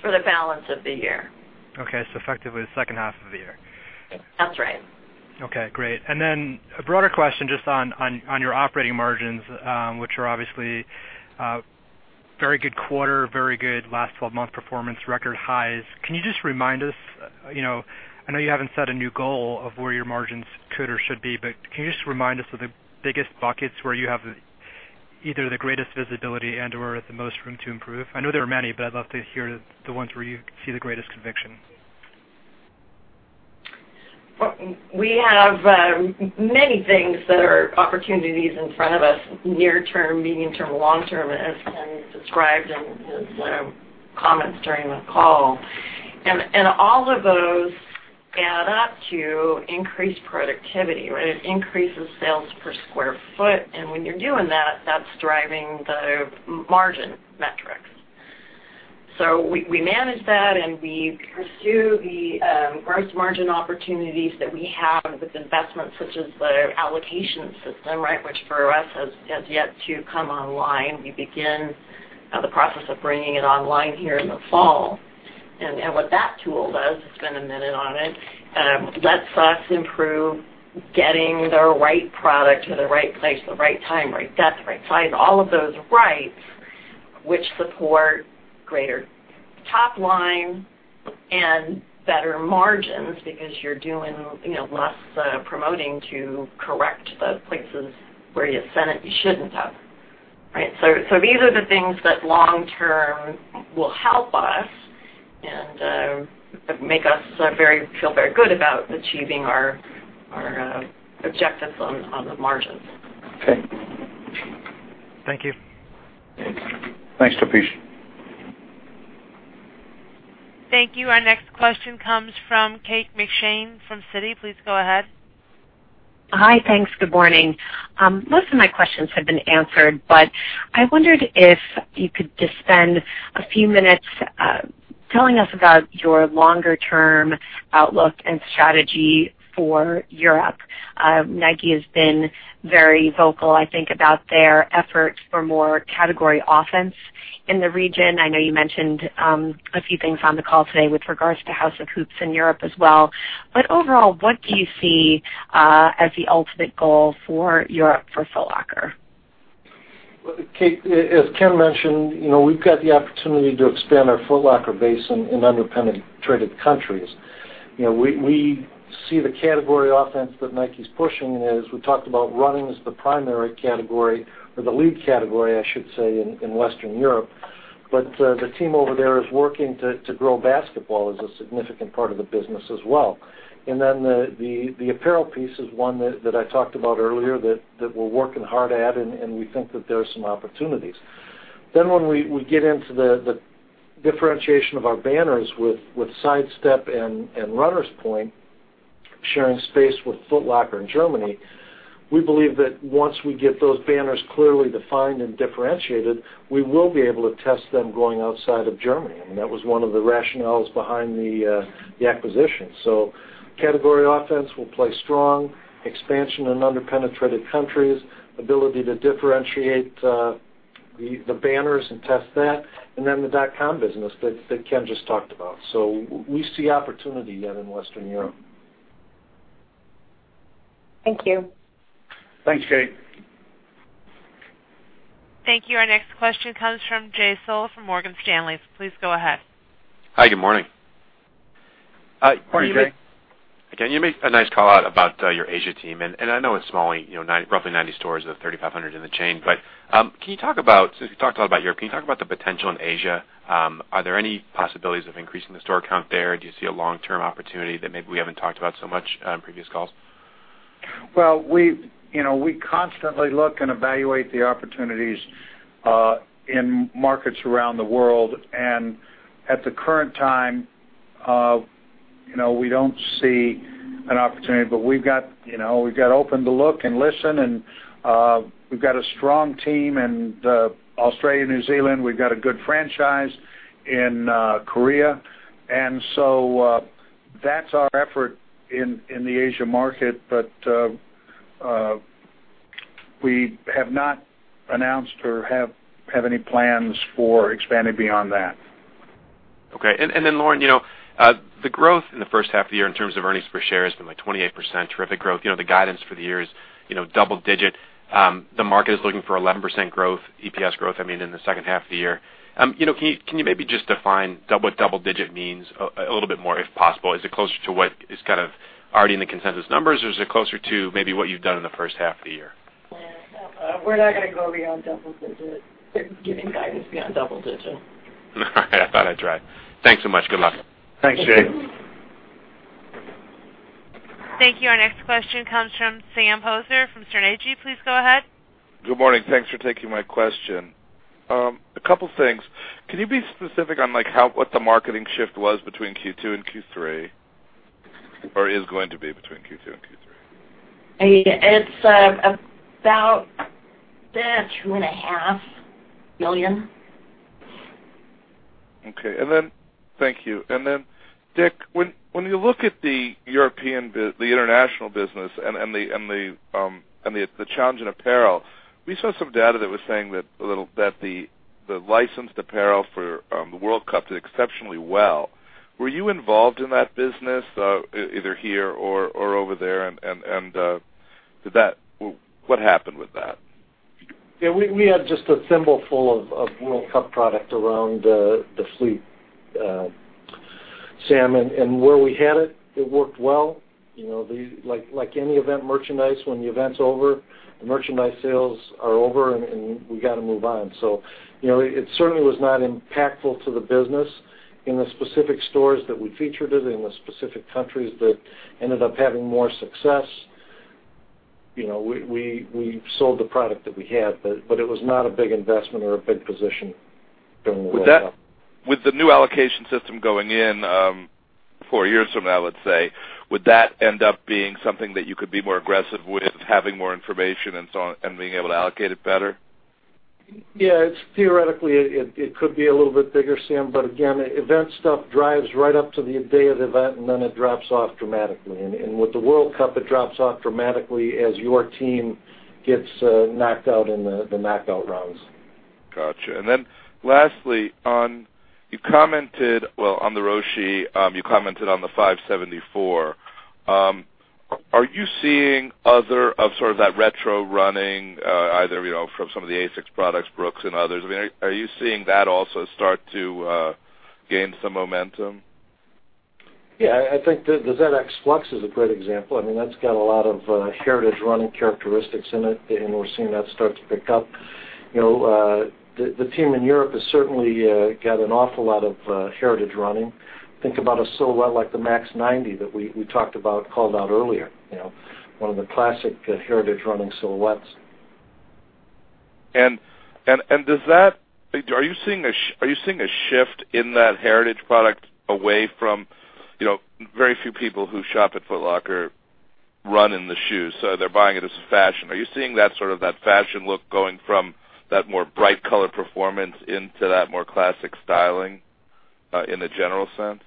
For the balance of the year. Okay, effectively the second half of the year. That's right. Okay, great. A broader question just on your operating margins, which are obviously a very good quarter, very good last 12-month performance, record highs. Can you just remind us, I know you haven't set a new goal of where your margins could or should be, but can you just remind us of the biggest buckets where you have either the greatest visibility and/or the most room to improve? I know there are many, but I'd love to hear the ones where you see the greatest conviction. Well, we have many things that are opportunities in front of us, near term, medium term, long term, as Ken described in his comments during the call. All of those add up to increased productivity. It increases sales per square foot, and when you're doing that's driving the margin metrics. We manage that, and we pursue the gross margin opportunities that we have with investments such as the allocation system, which for us has yet to come online. We begin the process of bringing it online here in the fall. What that tool does, to spend a minute on it, lets us improve getting the right product to the right place at the right time, right depth, right size, all of those rights, which support greater top line and better margins because you're doing less promoting to correct the places where you sent it you shouldn't have. These are the things that long term will help us and make us feel very good about achieving our objectives on the margins. Okay. Thank you. Thanks, Taposh. Thank you. Our next question comes from Kate McShane from Citi. Please go ahead. Hi, thanks. Good morning. Most of my questions have been answered, I wondered if you could just spend a few minutes telling us about your longer-term outlook and strategy for Europe. Nike has been very vocal, I think, about their effort for more category offense in the region. I know you mentioned a few things on the call today with regards to House of Hoops in Europe as well. Overall, what do you see as the ultimate goal for Europe for Foot Locker? Well, Kate, as Ken mentioned, we've got the opportunity to expand our Foot Locker base in under-penetrated countries. We see the category offense that Nike's pushing as we talked about running as the primary category or the lead category, I should say, in Western Europe. The team over there is working to grow basketball as a significant part of the business as well. The apparel piece is one that I talked about earlier that we're working hard at, and we think that there are some opportunities. When we get into the differentiation of our banners with Sidestep and Runners Point sharing space with Foot Locker in Germany, we believe that once we get those banners clearly defined and differentiated, we will be able to test them going outside of Germany. That was one of the rationales behind the acquisition. Category offense will play strong, expansion in under-penetrated countries, ability to differentiate the banners and test that, the dot com business that Ken just talked about. We see opportunity yet in Western Europe. Thank you. Thanks, Kate. Thank you. Our next question comes from Jay Sole from Morgan Stanley. Please go ahead. Hi, good morning. Morning, Jay. You make a nice call out about your Asia team, and I know it's small, roughly 90 stores of 3,500 in the chain. Since you talked a lot about Europe, can you talk about the potential in Asia? Are there any possibilities of increasing the store count there? Do you see a long-term opportunity that maybe we haven't talked about so much on previous calls? Well, we constantly look and evaluate the opportunities in markets around the world, and at the current time, we don't see an opportunity. We've got open to look and listen, and we've got a strong team in Australia, New Zealand. We've got a good franchise in Korea. That's our effort in the Asia market, but we have not announced or have any plans for expanding beyond that. Okay. Lauren, the growth in the first half of the year in terms of earnings per share has been like 28%, terrific growth. The guidance for the year is double digit. The market is looking for 11% growth, EPS growth, I mean, in the second half of the year. Can you maybe just define what double digit means a little bit more, if possible? Is it closer to what is kind of already in the consensus numbers, or is it closer to maybe what you've done in the first half of the year? We're not going to go beyond double digit, giving guidance beyond double digit. All right, I thought I'd try. Thanks so much. Good luck. Thanks, Jay. Thank you. Thank you. Our next question comes from Sam Poser from Sterne Agee. Please go ahead. Good morning. Thanks for taking my question. A couple things. Can you be specific on what the marketing shift was between Q2 and Q3? Is going to be between Q2 and Q3. It's about two and a half million dollars. Okay. Thank you. Then Dick, when you look at the European, the international business and the challenge in apparel, we saw some data that was saying that the licensed apparel for the World Cup did exceptionally well. Were you involved in that business, either here or over there and what happened with that? We had just a thimble full of World Cup product around the fleet, Sam, where we had it worked well. Like any event merchandise, when the event's over, the merchandise sales are over and we got to move on. It certainly was not impactful to the business in the specific stores that we featured it, in the specific countries that ended up having more success. We sold the product that we had, but it was not a big investment or a big position during the World Cup. With the new allocation system going in, four years from now, let's say, would that end up being something that you could be more aggressive with, having more information and so on, and being able to allocate it better? Theoretically, it could be a little bit bigger, Sam, again, event stuff drives right up to the day of the event, and then it drops off dramatically. With the World Cup, it drops off dramatically as your team gets knocked out in the knockout rounds. Got you. Lastly, you commented, well, on the Roshe, you commented on the 574. Are you seeing other of sort of that retro running, either from some of the ASICS products, Brooks and others? Are you seeing that also start to gain some momentum? Yeah, I think the ZX Flux is a great example. That's got a lot of heritage running characteristics in it, and we're seeing that start to pick up. The team in Europe has certainly got an awful lot of heritage running. Think about a silhouette like the Max 90 that we talked about, called out earlier. One of the classic heritage running silhouettes. Are you seeing a shift in that heritage product away from very few people who shop at Foot Locker run in the shoes, so they're buying it as fashion. Are you seeing that sort of that fashion look going from that more bright color performance into that more classic styling in the general sense?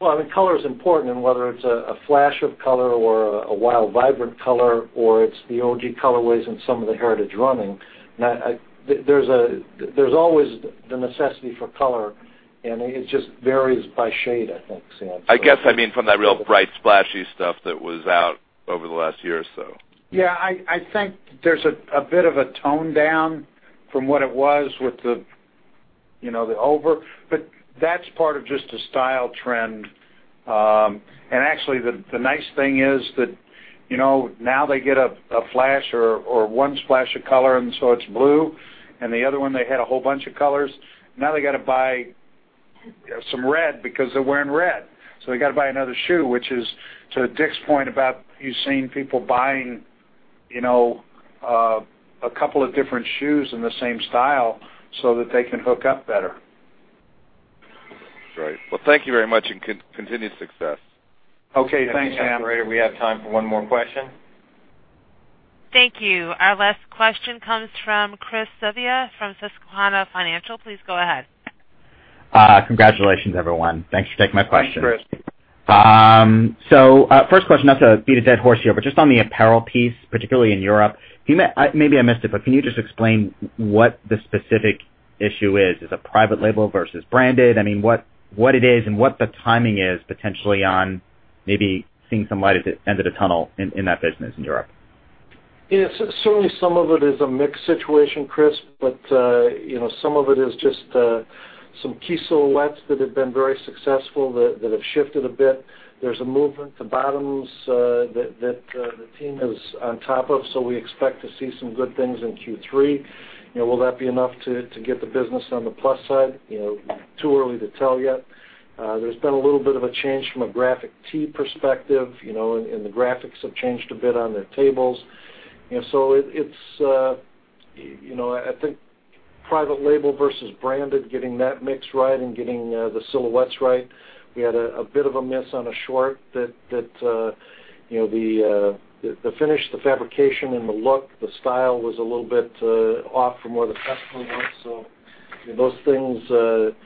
Well, color is important in whether it's a flash of color or a wild, vibrant color, or it's the OG colorways in some of the heritage running. There's always the necessity for color, and it just varies by shade, I think, Sam. I guess I mean from that real bright, splashy stuff that was out over the last year or so. Yeah, I think there's a bit of a tone down from what it was with the over, but that's part of just a style trend. Actually, the nice thing is that now they get a flash or one splash of color, it's blue. The other one, they had a whole bunch of colors. Now they got to buy some red because they're wearing red. They got to buy another shoe. To Dick's point about you seeing people buying a couple of different shoes in the same style so that they can hook up better. Right. Well, thank you very much, and continued success. Okay. Thanks, Sam. Operator, we have time for one more question. Thank you. Our last question comes from Chris Sivia from Susquehanna Financial. Please go ahead. Congratulations, everyone. Thanks for taking my question. Thanks, Chris. First question, not to beat a dead horse here, but just on the apparel piece, particularly in Europe. Maybe I missed it, but can you just explain what the specific issue is? Is it private label versus branded? What it is and what the timing is potentially on maybe seeing some light at the end of the tunnel in that business in Europe? Yeah. Certainly, some of it is a mixed situation, Chris, but some of it is just some key silhouettes that have been very successful that have shifted a bit. There's a movement to bottoms that the team is on top of, so we expect to see some good things in Q3. Will that be enough to get the business on the plus side? Too early to tell yet. There's been a little bit of a change from a graphic tee perspective, and the graphics have changed a bit on their tables. I think private label versus branded, getting that mix right and getting the silhouettes right. We had a bit of a miss on a short that the finish, the fabrication, and the look, the style was a little bit off from where the customer wants. Those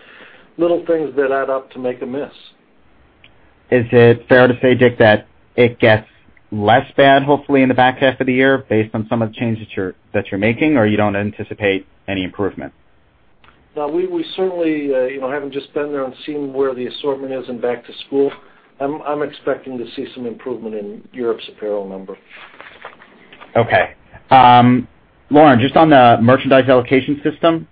little things that add up to make a miss. Is it fair to say, Dick, that it gets less bad, hopefully, in the back half of the year based on some of the changes that you're making, or you don't anticipate any improvement? We certainly, having just been there and seen where the assortment is in back to school, I'm expecting to see some improvement in Europe's apparel number. Okay. Lauren, just on the merchandise allocation system.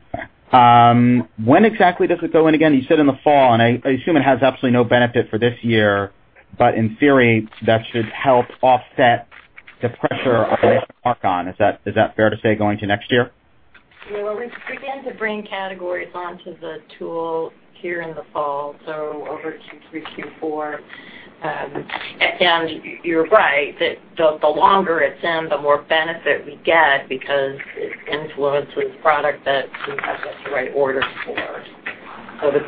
When exactly does it go in again? You said in the fall, and I assume it has absolutely no benefit for this year, but in theory, that should help offset the pressure on. Is that fair to say, going to next year? We'll begin to bring categories onto the tool here in the fall, so over Q3, Q4. You're right, that the longer it's in, the more benefit we get because it influences product that we have to write orders for.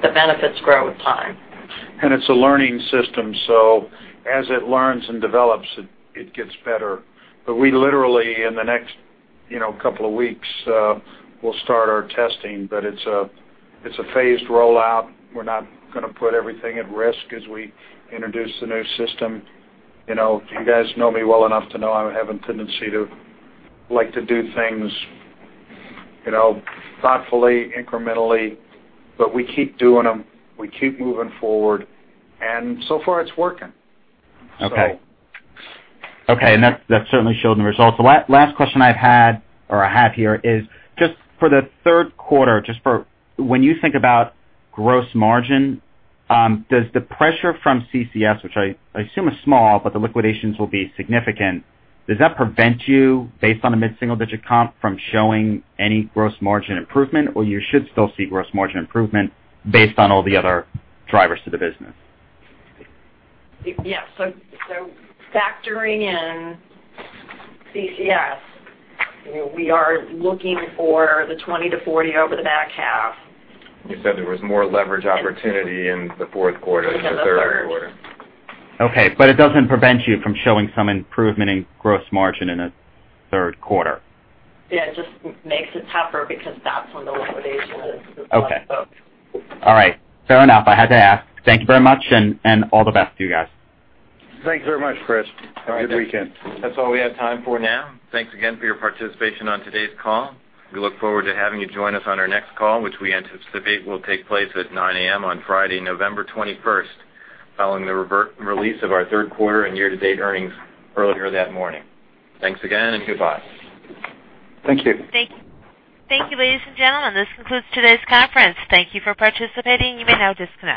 The benefits grow with time. It's a learning system, as it learns and develops, it gets better. We literally, in the next couple of weeks, will start our testing. It's a phased rollout. We're not going to put everything at risk as we introduce the new system. You guys know me well enough to know I have a tendency to like to do things thoughtfully, incrementally, we keep doing them. We keep moving forward, so far it's working. Okay. That certainly showed in the results. The last question I have here is just for the third quarter, when you think about gross margin, does the pressure from CCS, which I assume is small, the liquidations will be significant, does that prevent you, based on a mid-single-digit comp, from showing any gross margin improvement, or you should still see gross margin improvement based on all the other drivers to the business? Yes. Factoring in CCS, we are looking for the 20%-40% over the back half. You said there was more leverage opportunity in the fourth quarter than the third quarter. Okay, it doesn't prevent you from showing some improvement in gross margin in the third quarter? Yeah, it just makes it tougher because that's when the liquidation is. Okay. All right. Fair enough. I had to ask. Thank you very much, and all the best to you guys. Thank you very much, Chris. Have a good weekend. That's all we have time for now. Thanks again for your participation on today's call. We look forward to having you join us on our next call, which we anticipate will take place at 9:00 A.M. on Friday, November 21st, following the release of our third quarter and year-to-date earnings earlier that morning. Thanks again, and goodbye. Thank you. Thank you. Ladies and gentlemen, this concludes today's conference. Thank you for participating. You may now disconnect.